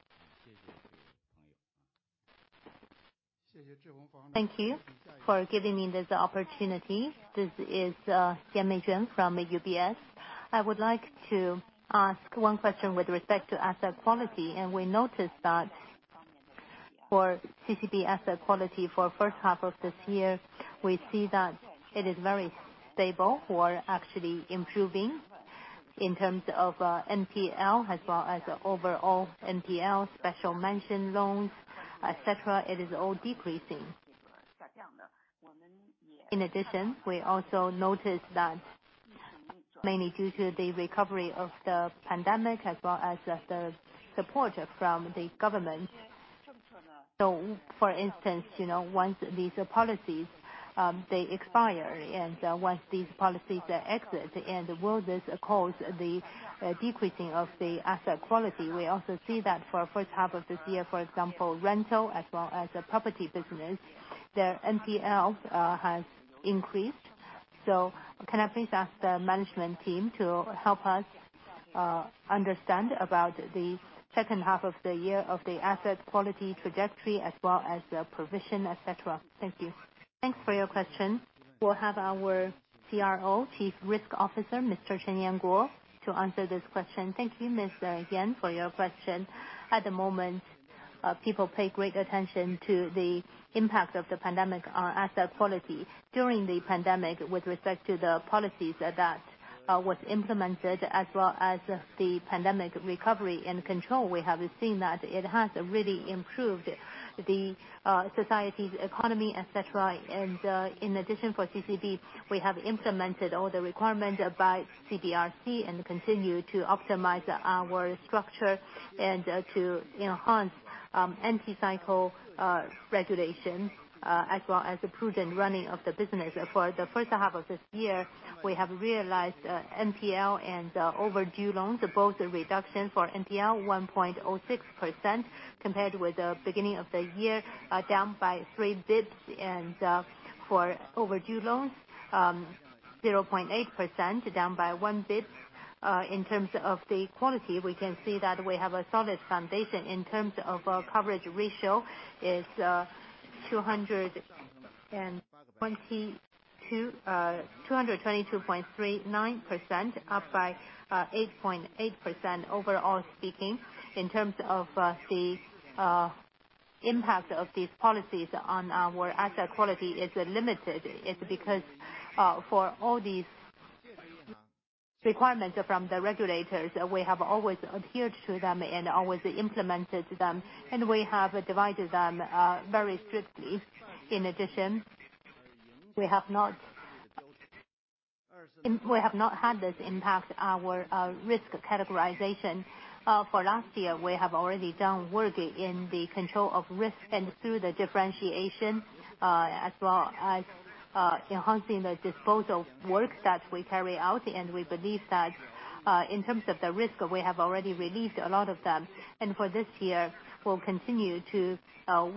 Thank you for giving me this opportunity. This is May Yan from UBS. I would like to ask one question with respect to asset quality. We noticed that for CCB asset quality for first half of this year, we see that it is very stable or actually improving in terms of NPL as well as overall NPL, special mention loans, et cetera. It is all decreasing. We also noticed that mainly due to the recovery of the pandemic as well as the support from the government. For instance, once these policies, they expire and once these policies exit, will this cause the decreasing of the asset quality? We also see that for first half of this year, for example, rental as well as the property business, their NPL has increased. Can I please ask the management team to help us understand about the second half of the year of the asset quality trajectory as well as the provision, et cetera? Thank you. Thanks for your question. We'll have our CRO, Chief Risk Officer, Mr. Cheng Yuanguo, to answer this question. Thank you, Ms. Yan, for your question. At the moment, people pay great attention to the impact of the pandemic on asset quality. During the pandemic, with respect to the policies that was implemented as well as the pandemic recovery and control, we have seen that it has really improved the society's economy, et cetera. In addition for CCB, we have implemented all the requirements by CBRC and continue to optimize our structure and to enhance anti-cycle regulation, as well as the prudent running of the business. For the first half of this year, we have realized NPL and overdue loans are both reduction. For NPL, 1.06% compared with the beginning of the year, down by 3 basis points. For overdue loans, 0.8%, down by 1 basis point. In terms of the quality, we can see that we have a solid foundation. In terms of our coverage ratio is 222.39%, up by 8.8% overall speaking. In terms of the impact of these policies on our asset quality is limited. It's because, for all these requirements from the regulators, we have always adhered to them and always implemented them, we have devised them very strictly. In addition, we have not had this impact our risk categorization. For last year, we have already done work in the control of risk and through the differentiation, as well as enhancing the disposal works that we carry out. We believe that, in terms of the risk, we have already released a lot of them. For this year, we'll continue to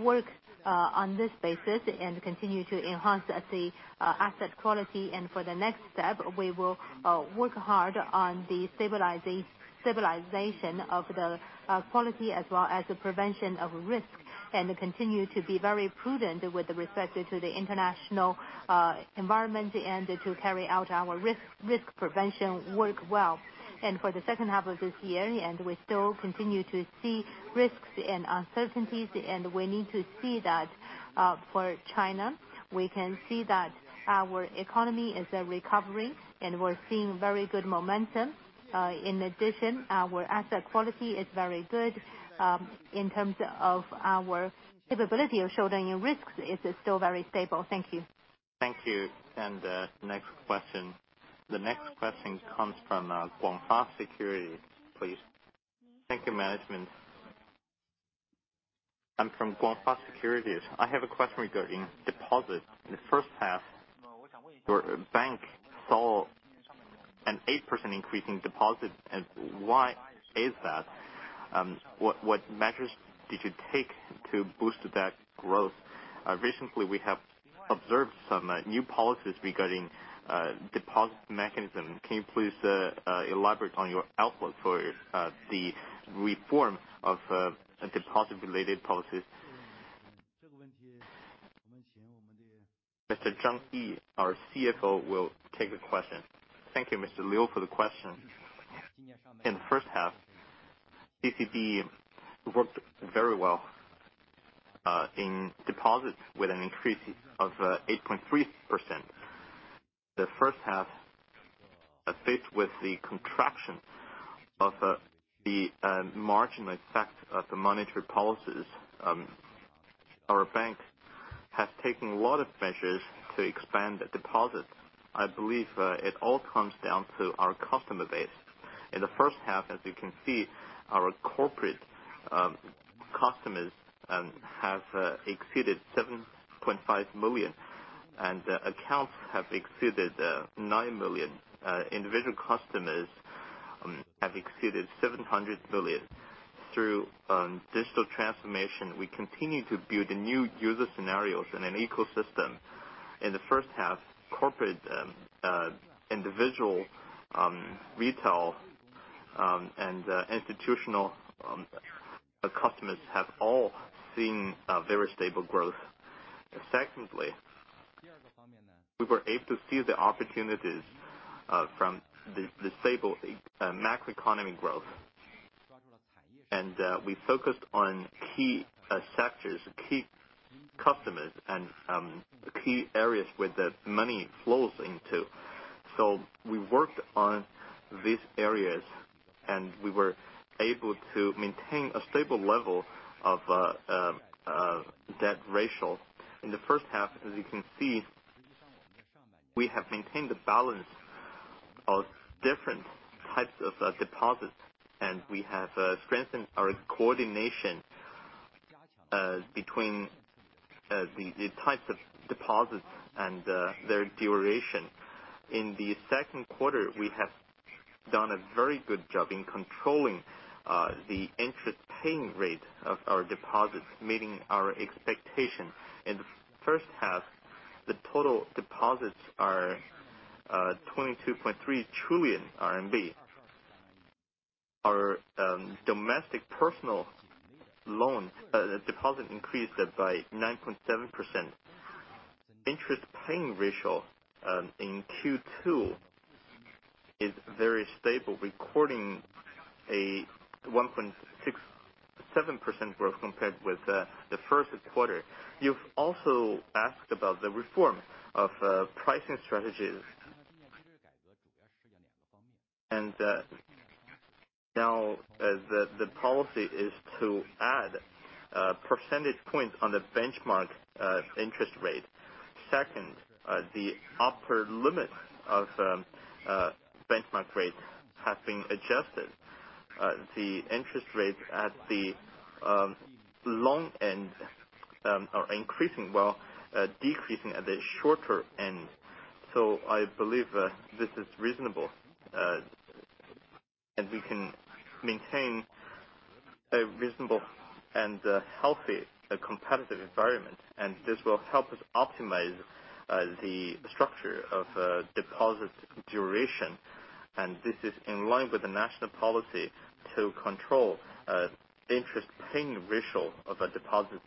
work on this basis and continue to enhance the asset quality. For the next step, we will work hard on the stabilization of the quality as well as the prevention of risk, and continue to be very prudent with respect to the international environment and to carry out our risk prevention work well. For the second half of this year, and we still continue to see risks and uncertainties, and we need to see that. For China, we can see that our economy is recovering, and we're seeing very good momentum. In addition, our asset quality is very good. In terms of our capability of shouldering risks, it's still very stable. Thank you. Thank you. The next question comes from GF Securities, please. Thank you, management. I'm from GF Securities. I have a question regarding deposits. In the first half, your bank saw an 8% increase in deposits. Why is that? What measures did you take to boost that growth? Recently, we have observed some new policies regarding deposit mechanism. Can you please elaborate on your outlook for the reform of deposit-related policies? Mr. Zhang Yi, our CFO, will take the question. Thank you, Mr. Liu, for the question. In the first half, CCB worked very well in deposits with an increase of 8.3%. In the first half, in line with the contraction of the marginal effect of the monetary policies, our bank has taken a lot of measures to expand the deposit. I believe it all comes down to our customer base. In the first half, as you can see, our corporate customers have exceeded 7.5 million, and accounts have exceeded 9 million. Individual customers have exceeded 700 million. Through digital transformation, we continue to build new user scenarios and an ecosystem. In the first half, corporate, individual, retail, and institutional customers have all seen very stable growth. Secondly, we were able to see the opportunities from the stable macroeconomy growth. We focused on key sectors, key customers, and key areas where the money flows into. We worked on these areas, and we were able to maintain a stable level of debt ratio. In the first half, as you can see, we have maintained the balance of different types of deposits, and we have strengthened our coordination between the types of deposits and their duration. In the second quarter, we have done a very good job in controlling the interest paying rate of our deposits, meeting our expectations. In the first half, the total deposits are 22.3 trillion RMB. Our domestic personal deposit increased by 9.7%. Interest paying ratio in Q2 is very stable, recording a 1.67% growth compared with the first quarter. You've also asked about the reform of pricing strategies. Now, the policy is to add percentage points on the benchmark interest rate. Second, the upper limit of benchmark rate has been adjusted. The interest rate at the long end are increasing while decreasing at the shorter end. I believe this is reasonable, and we can maintain a reasonable and healthy competitive environment, and this will help us optimize the structure of deposit duration. This is in line with the national policy to control interest paying ratio of deposits.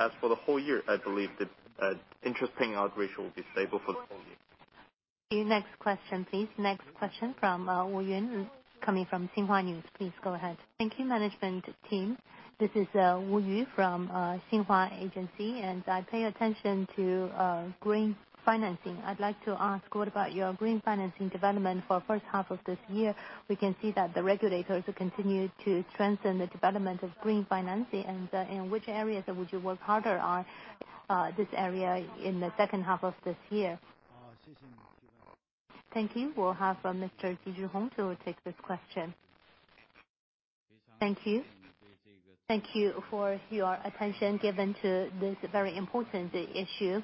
As for the whole year, I believe the interest paying out ratio will be stable for the whole year. Next question, please. Next question from Wu Yun, coming from Xinhua News. Please go ahead. Thank you, management team. This is Wu Yun from Xinhua Agency. I pay attention to green financing. I'd like to ask, what about your green financing development for first half of this year? We can see that the regulators will continue to strengthen the development of green financing. In which areas would you work harder on this area in the second half of this year? Thank you. We'll have Mr. Zhihong Ji to take this question. Thank you. Thank you for your attention given to this very important issue.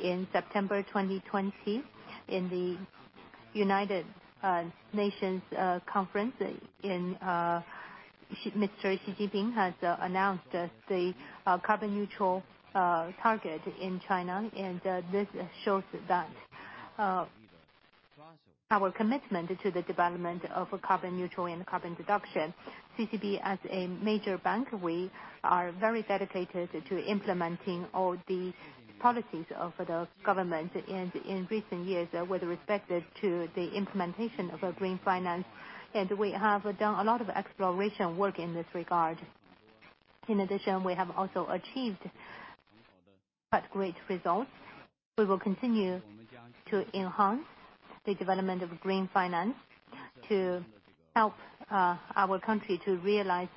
In September 2020, in the United Nations Conference, Mr. Xi Jinping has announced the carbon neutral target in China. This shows that our commitment to the development of carbon neutral and carbon reduction. CCB as a major bank, we are very dedicated to implementing all the policies of the government, in recent years, with respect to the implementation of green finance, we have done a lot of exploration work in this regard. We have also achieved quite great results. We will continue to enhance the development of green finance to help our country to realize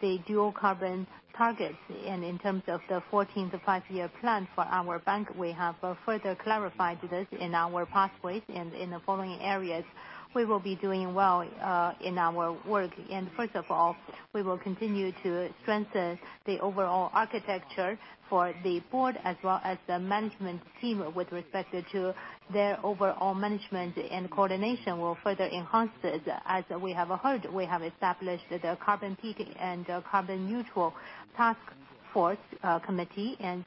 the dual carbon targets. In terms of the 14th Five-Year Plan for our bank, we have further clarified this in our pathways and in the following areas. We will be doing well in our work. First of all, we will continue to strengthen the overall architecture for the board as well as the management team with respect to their overall management and coordination will further enhance it. As we have heard, we have established the Carbon Peak and Carbon Neutral Task Force Committee, and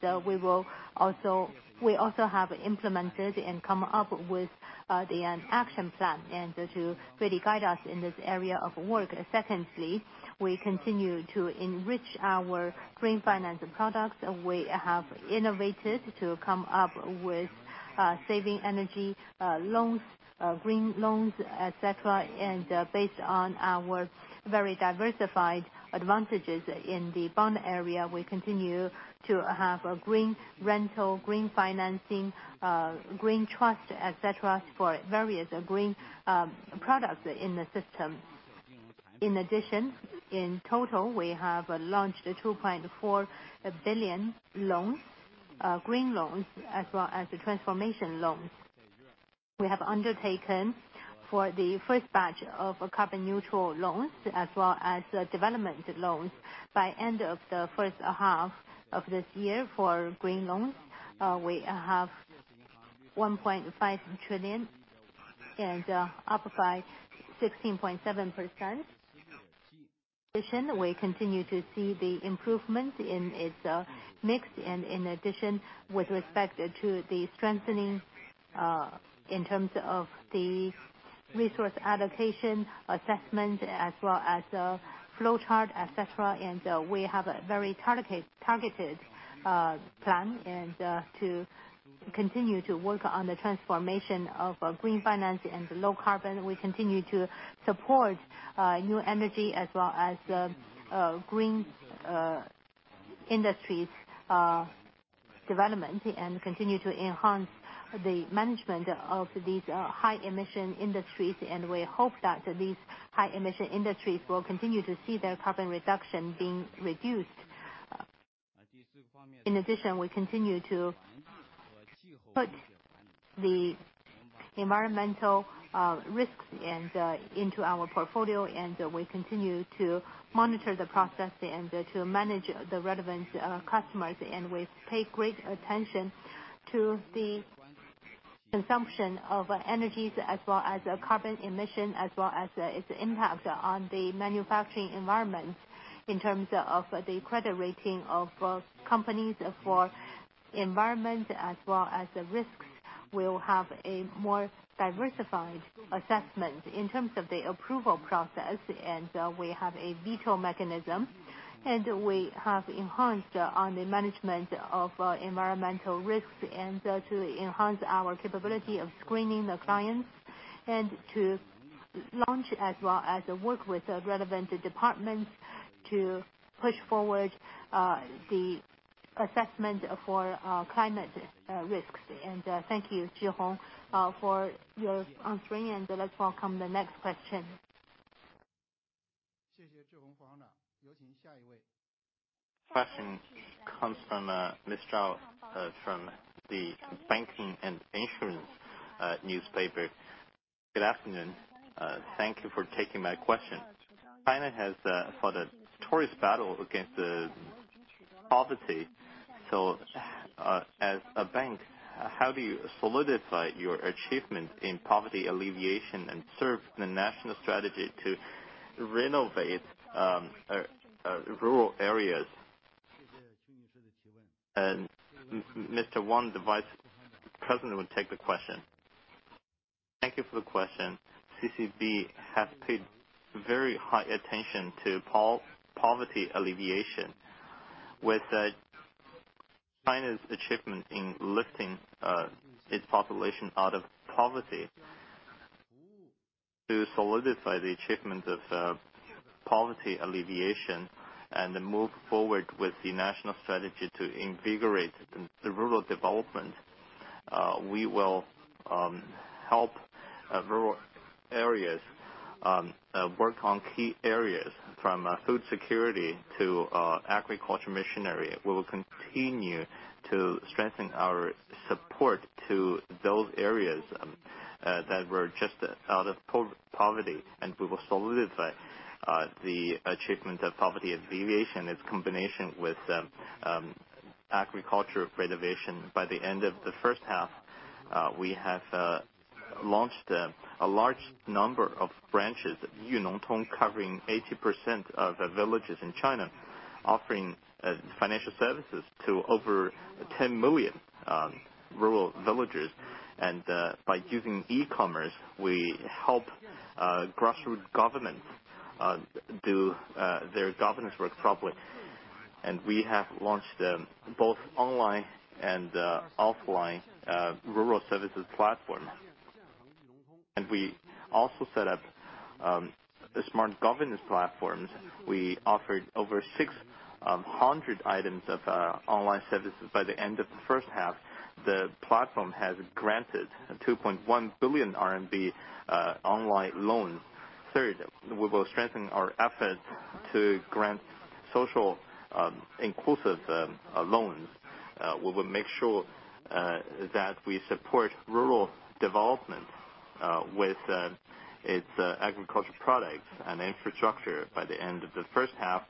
we also have implemented and come up with an action plan and to really guide us in this area of work. Secondly, we continue to enrich our green finance products. We have innovated to come up with saving energy loans, green loans, et cetera. Based on our very diversified advantages in the bond area, we continue to have a green rental, green financing, green trust, et cetera, for various green products in the system. In addition, in total, we have launched 2.4 billion green loans as well as transformation loans. We have undertaken for the first batch of carbon neutral loans as well as development loans. By end of the first half of this year for green loans, we have 1.5 trillion and up by 16.7%. We continue to see the improvements in its mix, and in addition, with respect to the strengthening in terms of the resource allocation assessment as well as the flowchart, et cetera. We have a very targeted plan and to continue to work on the transformation of green finance and low carbon. We continue to support new energy as well as green industries development and continue to enhance the management of these high emission industries, and we hope that these high emission industries will continue to see their carbon reduction being reduced. We continue to put the environmental risks into our portfolio, and we continue to monitor the process and to manage the relevant customers. We pay great attention to the consumption of energies, as well as carbon emission, as well as its impact on the manufacturing environment in terms of the credit rating of companies for environment, as well as the risks, we'll have a more diversified assessment in terms of the approval process, and we have a veto mechanism. We have enhanced on the management of environmental risks, and to enhance our capability of screening the clients, and to launch as well as work with relevant departments to push forward the assessment for climate risks. Thank you, Zhihong, for your answering. Let's welcome the next question. Question comes from Ms. Zhao from the Banking and Insurance Newspaper. Good afternoon. Thank you for taking my question. China has fought a victorious battle against poverty. As a bank, how do you solidify your achievements in poverty alleviation and serve the national strategy to renovate rural areas? Mr. Wang Hao, the Vice President, will take the question. Thank you for the question. CCB has paid very high attention to poverty alleviation. With China's achievement in lifting its population out of poverty, to solidify the achievement of poverty alleviation and then move forward with the national strategy to invigorate the rural development, we will help rural areas work on key areas from food security to agriculture machinery. We will solidify the achievement of poverty alleviation in combination with agriculture renovation. By the end of the first half, we have launched a large number of branches, Yúnóngtōng, covering 80% of the villages in China, offering financial services to over 10 million rural villagers. By using e-commerce, we help grassroots governments do their governance work properly. We have launched both online and offline rural services platform. We also set up the smart governance platforms. We offered over 600 items of online services by the end of the first half. The platform has granted 2.1 billion RMB online loans. Third, we will strengthen our efforts to grant social inclusive loans. We will make sure that we support rural development with its agriculture products and infrastructure. By the end of the first half,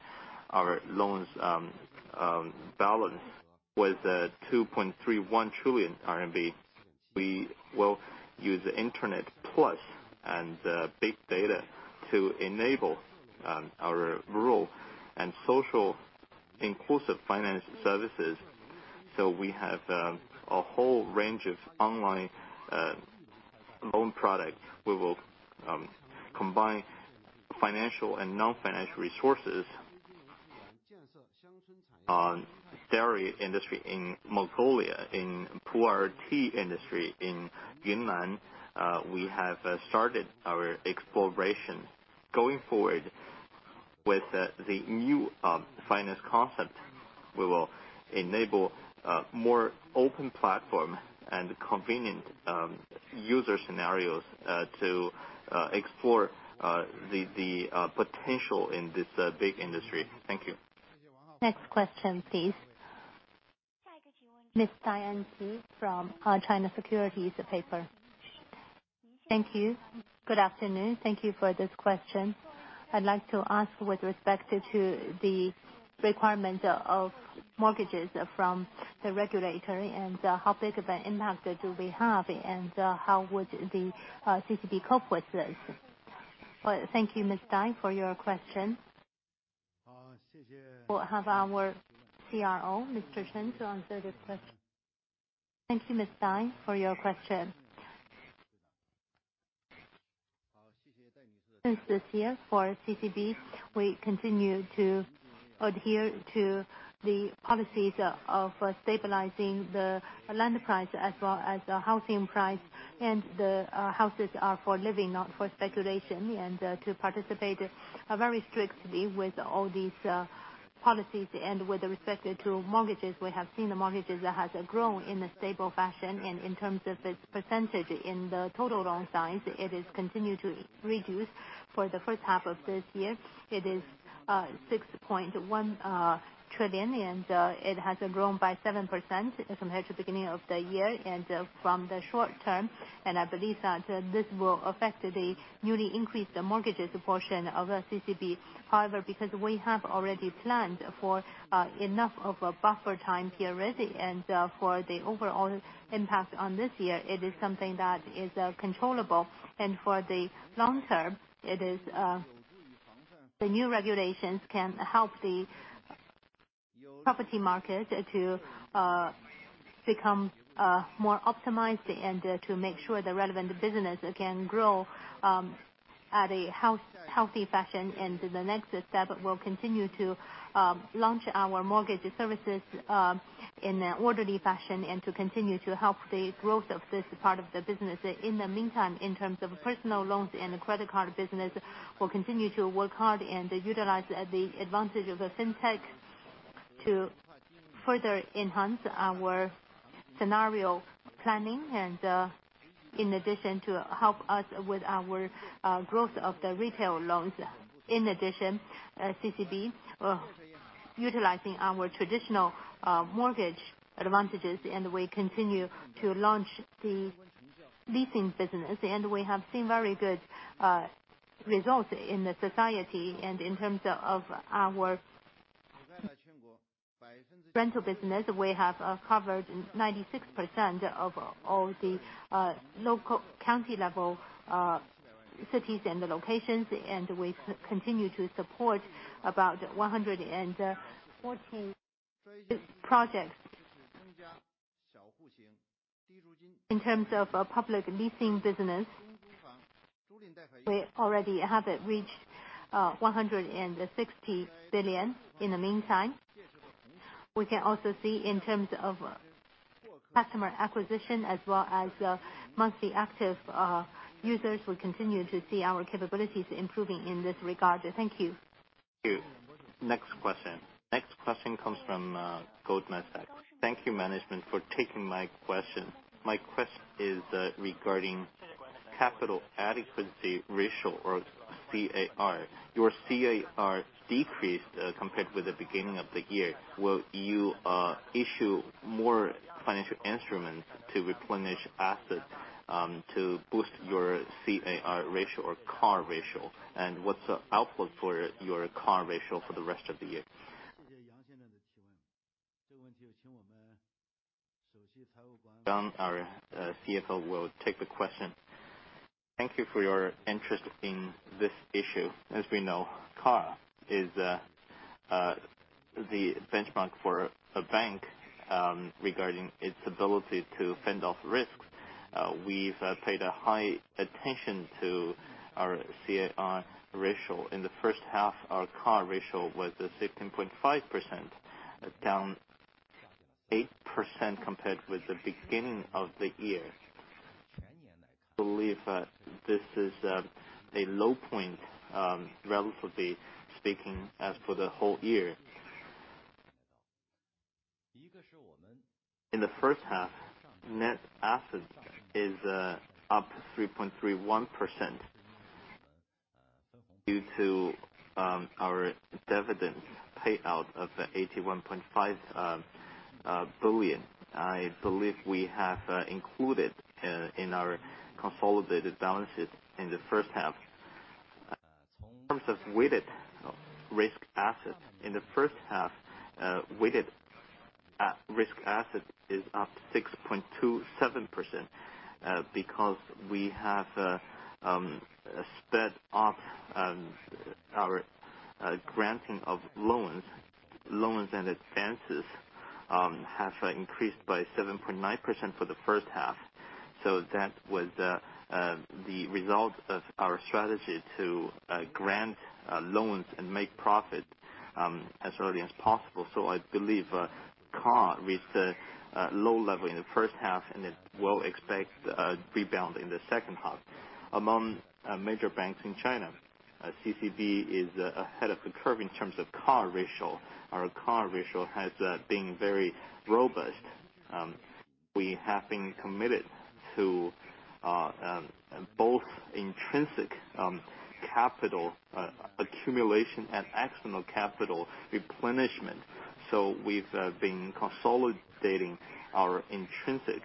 our loans balance was at 2.31 trillion RMB. We will use Internet Plus and big data to enable our rural and social inclusive finance services. We have a whole range of online loan products. We will combine financial and non-financial resources on dairy industry in Inner Mongolia, in Pu'er tea industry in Yunnan. We have started our exploration. Going forward with the new finance concept, we will enable a more open platform and convenient user scenarios to explore the potential in this big industry. Thank you. Next question, please. Ms. Diane Xu from China Securities Newspaper. Thank you. Good afternoon. Thank you for this question. I'd like to ask with respect to the requirement of mortgages from the regulator, how big of an impact do we have, and how would the CCB cope with this? Well, thank you, Ms. Diane, for your question. We'll have our CRO, Mr. Cheng Yuanguan, to answer this question. Thank you, Ms. Diane, for your question. Since this year, for CCB, we continue to adhere to the policies of stabilizing the land price as well as the housing price, the houses are for living, not for speculation. To participate very strictly with all these policies. With respect to mortgages, we have seen the mortgages has grown in a stable fashion. In terms of its % in the total loan size, it has continued to reduce. For the first half of this year, it is 6.1 trillion. It has grown by 7% from here to beginning of the year and from the short term. I believe that this will affect the newly increased mortgages portion of CCB. However, because we have already planned for enough of a buffer time theoretically, and for the overall impact on this year, it is something that is controllable. For the long term, the new regulations can help the property market to become more optimized and to make sure the relevant business can grow at a healthy fashion. The next step will continue to launch our mortgage services in an orderly fashion and to continue to help the growth of this part of the business. In terms of personal loans and the credit card business, we'll continue to work hard and utilize the advantage of the fintech to further enhance our scenario planning, to help us with our growth of the retail loans. CCB utilizing our traditional mortgage advantages, we continue to launch the leasing business. We have seen very good results in the society and in terms of our rental business, we have covered 96% of all the local county-level cities and the locations, we continue to support about 114 projects. In terms of public leasing business, we already have reached 160 billion. We can also see in terms of customer acquisition as well as monthly active users, we continue to see our capabilities improving in this regard. Thank you. Thank you. Next question. Next question comes from Goldman Sachs. Thank you, management, for taking my question. My question is regarding capital adequacy ratio or CAR. Your CAR decreased compared with the beginning of the year. Will you issue more financial instruments to replenish assets to boost your CAR ratio? What's the outlook for your CAR ratio for the rest of the year? Our CFO will take the question. Thank you for your interest in this issue. As we know, CAR is the benchmark for a bank regarding its ability to fend off risks. We've paid high attention to our CAR ratio. In the first half, our CAR ratio was 15.5%, down 8% compared with the beginning of the year. We believe that this is a low point, relatively speaking, as for the whole year. In the first half, net assets is up 3.31% due to our dividend payout of 81.5 billion. I believe we have included in our consolidated balances in the first half. In terms of weighted risk assets, in the first half, weighted risk asset is up 6.27% because we have sped up our granting of loans. Loans and advances have increased by 7.9% for the first half. That was the result of our strategy to grant loans and make profit as early as possible. I believe CAR reached a low level in the 1st half, and it will expect a rebound in the 2nd half. Among major banks in China, CCB is ahead of the curve in terms of CAR ratio. Our CAR ratio has been very robust. We have been committed to both intrinsic capital accumulation and external capital replenishment. We've been consolidating our intrinsic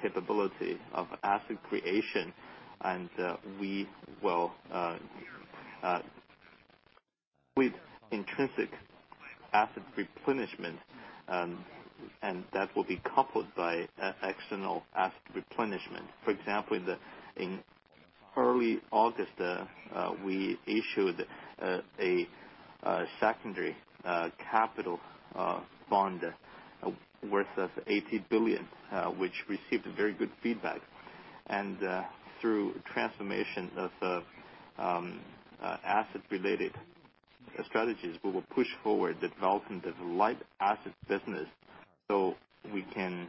capability of asset creation, and with intrinsic asset replenishment, and that will be coupled by external asset replenishment. For example, in early August, we issued a secondary capital bond worth 80 billion which received very good feedback. Through transformation of asset-related strategies, we will push forward development of light asset business so we can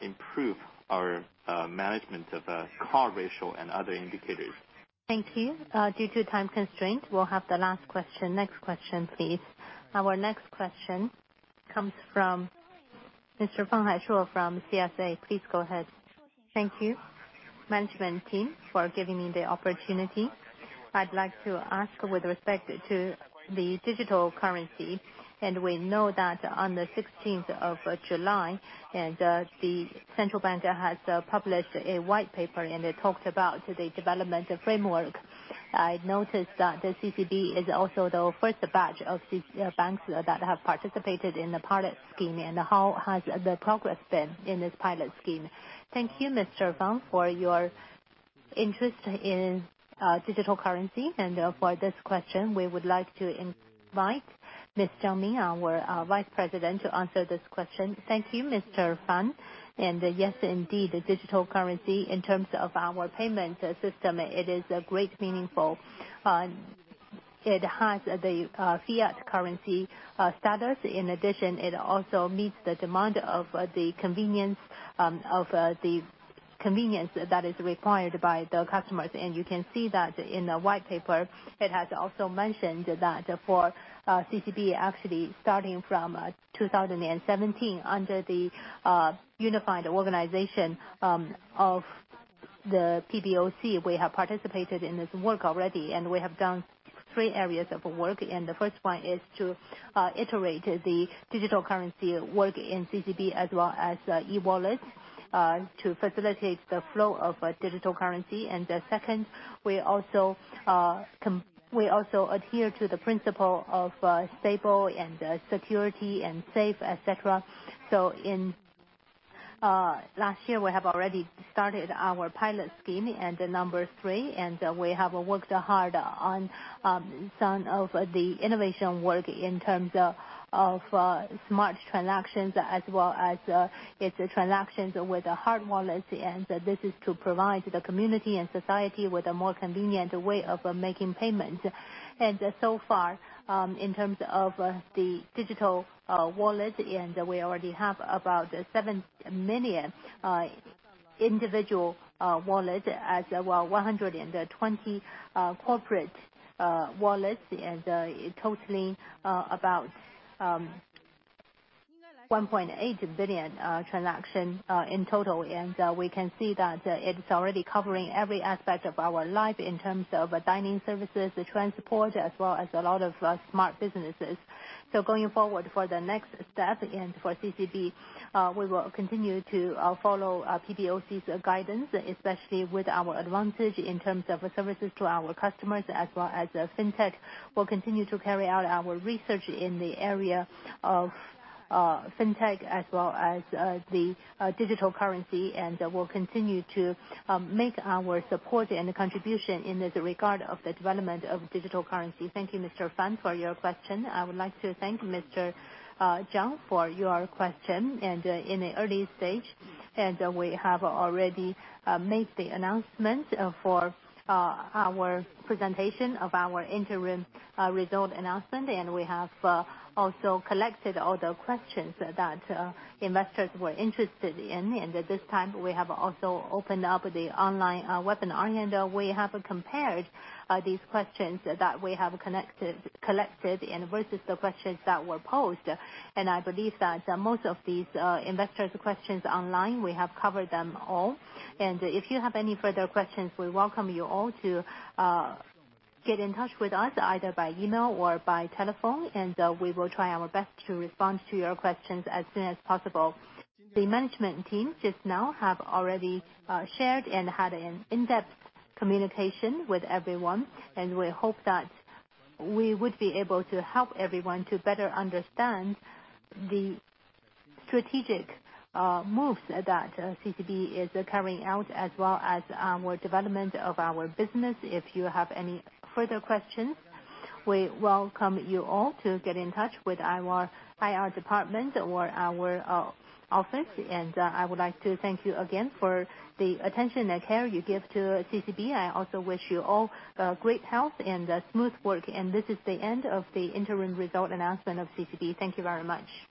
improve our management of CAR ratio and other indicators. Thank you. Due to time constraint, we'll have the last question. Next question, please. Our next question comes from Mr. Fang Haishu from CSA. Please go ahead. Thank you, management team for giving me the opportunity. I'd like to ask with respect to the digital currency, and we know that on the 16th of July, the Central Bank has published a white paper, and it talked about the development framework. I noticed that the CCB is also the first batch of banks that have participated in the pilot scheme. How has the progress been in this pilot scheme? Thank you, Mr. Fang, for your. Interest in digital currency. For this question, we would like to invite Ms. Zhang Min, our Vice President, to answer this question. Thank you, Mr. Fan. Yes, indeed, the digital currency in terms of our payment system, it is a great meaningful. It has the fiat currency status. In addition, it also meets the demand of the convenience that is required by the customers. You can see that in the white paper, it has also mentioned that for CCB, actually starting from 2017, under the unified organization of the PBOC, we have participated in this work already, we have done three areas of work. The first one is to iterate the digital currency work in CCB, as well as eWallet, to facilitate the flow of digital currency. The second, we also adhere to the principle of stable and security and safe, et cetera. In last year, we have already started our pilot scheme. The number three, we have worked hard on some of the innovation work in terms of smart transactions as well as its transactions with the hard wallets. This is to provide the community and society with a more convenient way of making payment. So far, in terms of the digital wallet, we already have about 7 million individual wallet, as well 120 corporate wallets, totaling about 1.8 billion transaction in total. We can see that it's already covering every aspect of our life in terms of dining services, transport, as well as a lot of smart businesses. Going forward for the next step, for CCB, we will continue to follow PBOC's guidance, especially with our advantage in terms of services to our customers as well as Fintech. We'll continue to carry out our research in the area of Fintech as well as the digital currency, and we'll continue to make our support and contribution in this regard of the development of digital currency. Thank you, Mr. Fan, for your question. I would like to thank Mr. Zhang for your question. In the early stage, we have already made the announcement for our presentation of our interim result announcement, and we have also collected all the questions that investors were interested in. At this time, we have also opened up the online webinar. We have compared these questions that we have collected and versus the questions that were posed. I believe that most of these investors' questions online, we have covered them all. If you have any further questions, we welcome you all to get in touch with us either by email or by telephone, and we will try our best to respond to your questions as soon as possible. The management team just now have already shared and had an in-depth communication with everyone, and we hope that we would be able to help everyone to better understand the strategic moves that CCB is carrying out, as well as our development of our business. If you have any further questions, we welcome you all to get in touch with our IR department or our office. I would like to thank you again for the attention and care you give to CCB. I also wish you all great health and smooth work. This is the end of the interim result announcement of CCB. Thank you very much.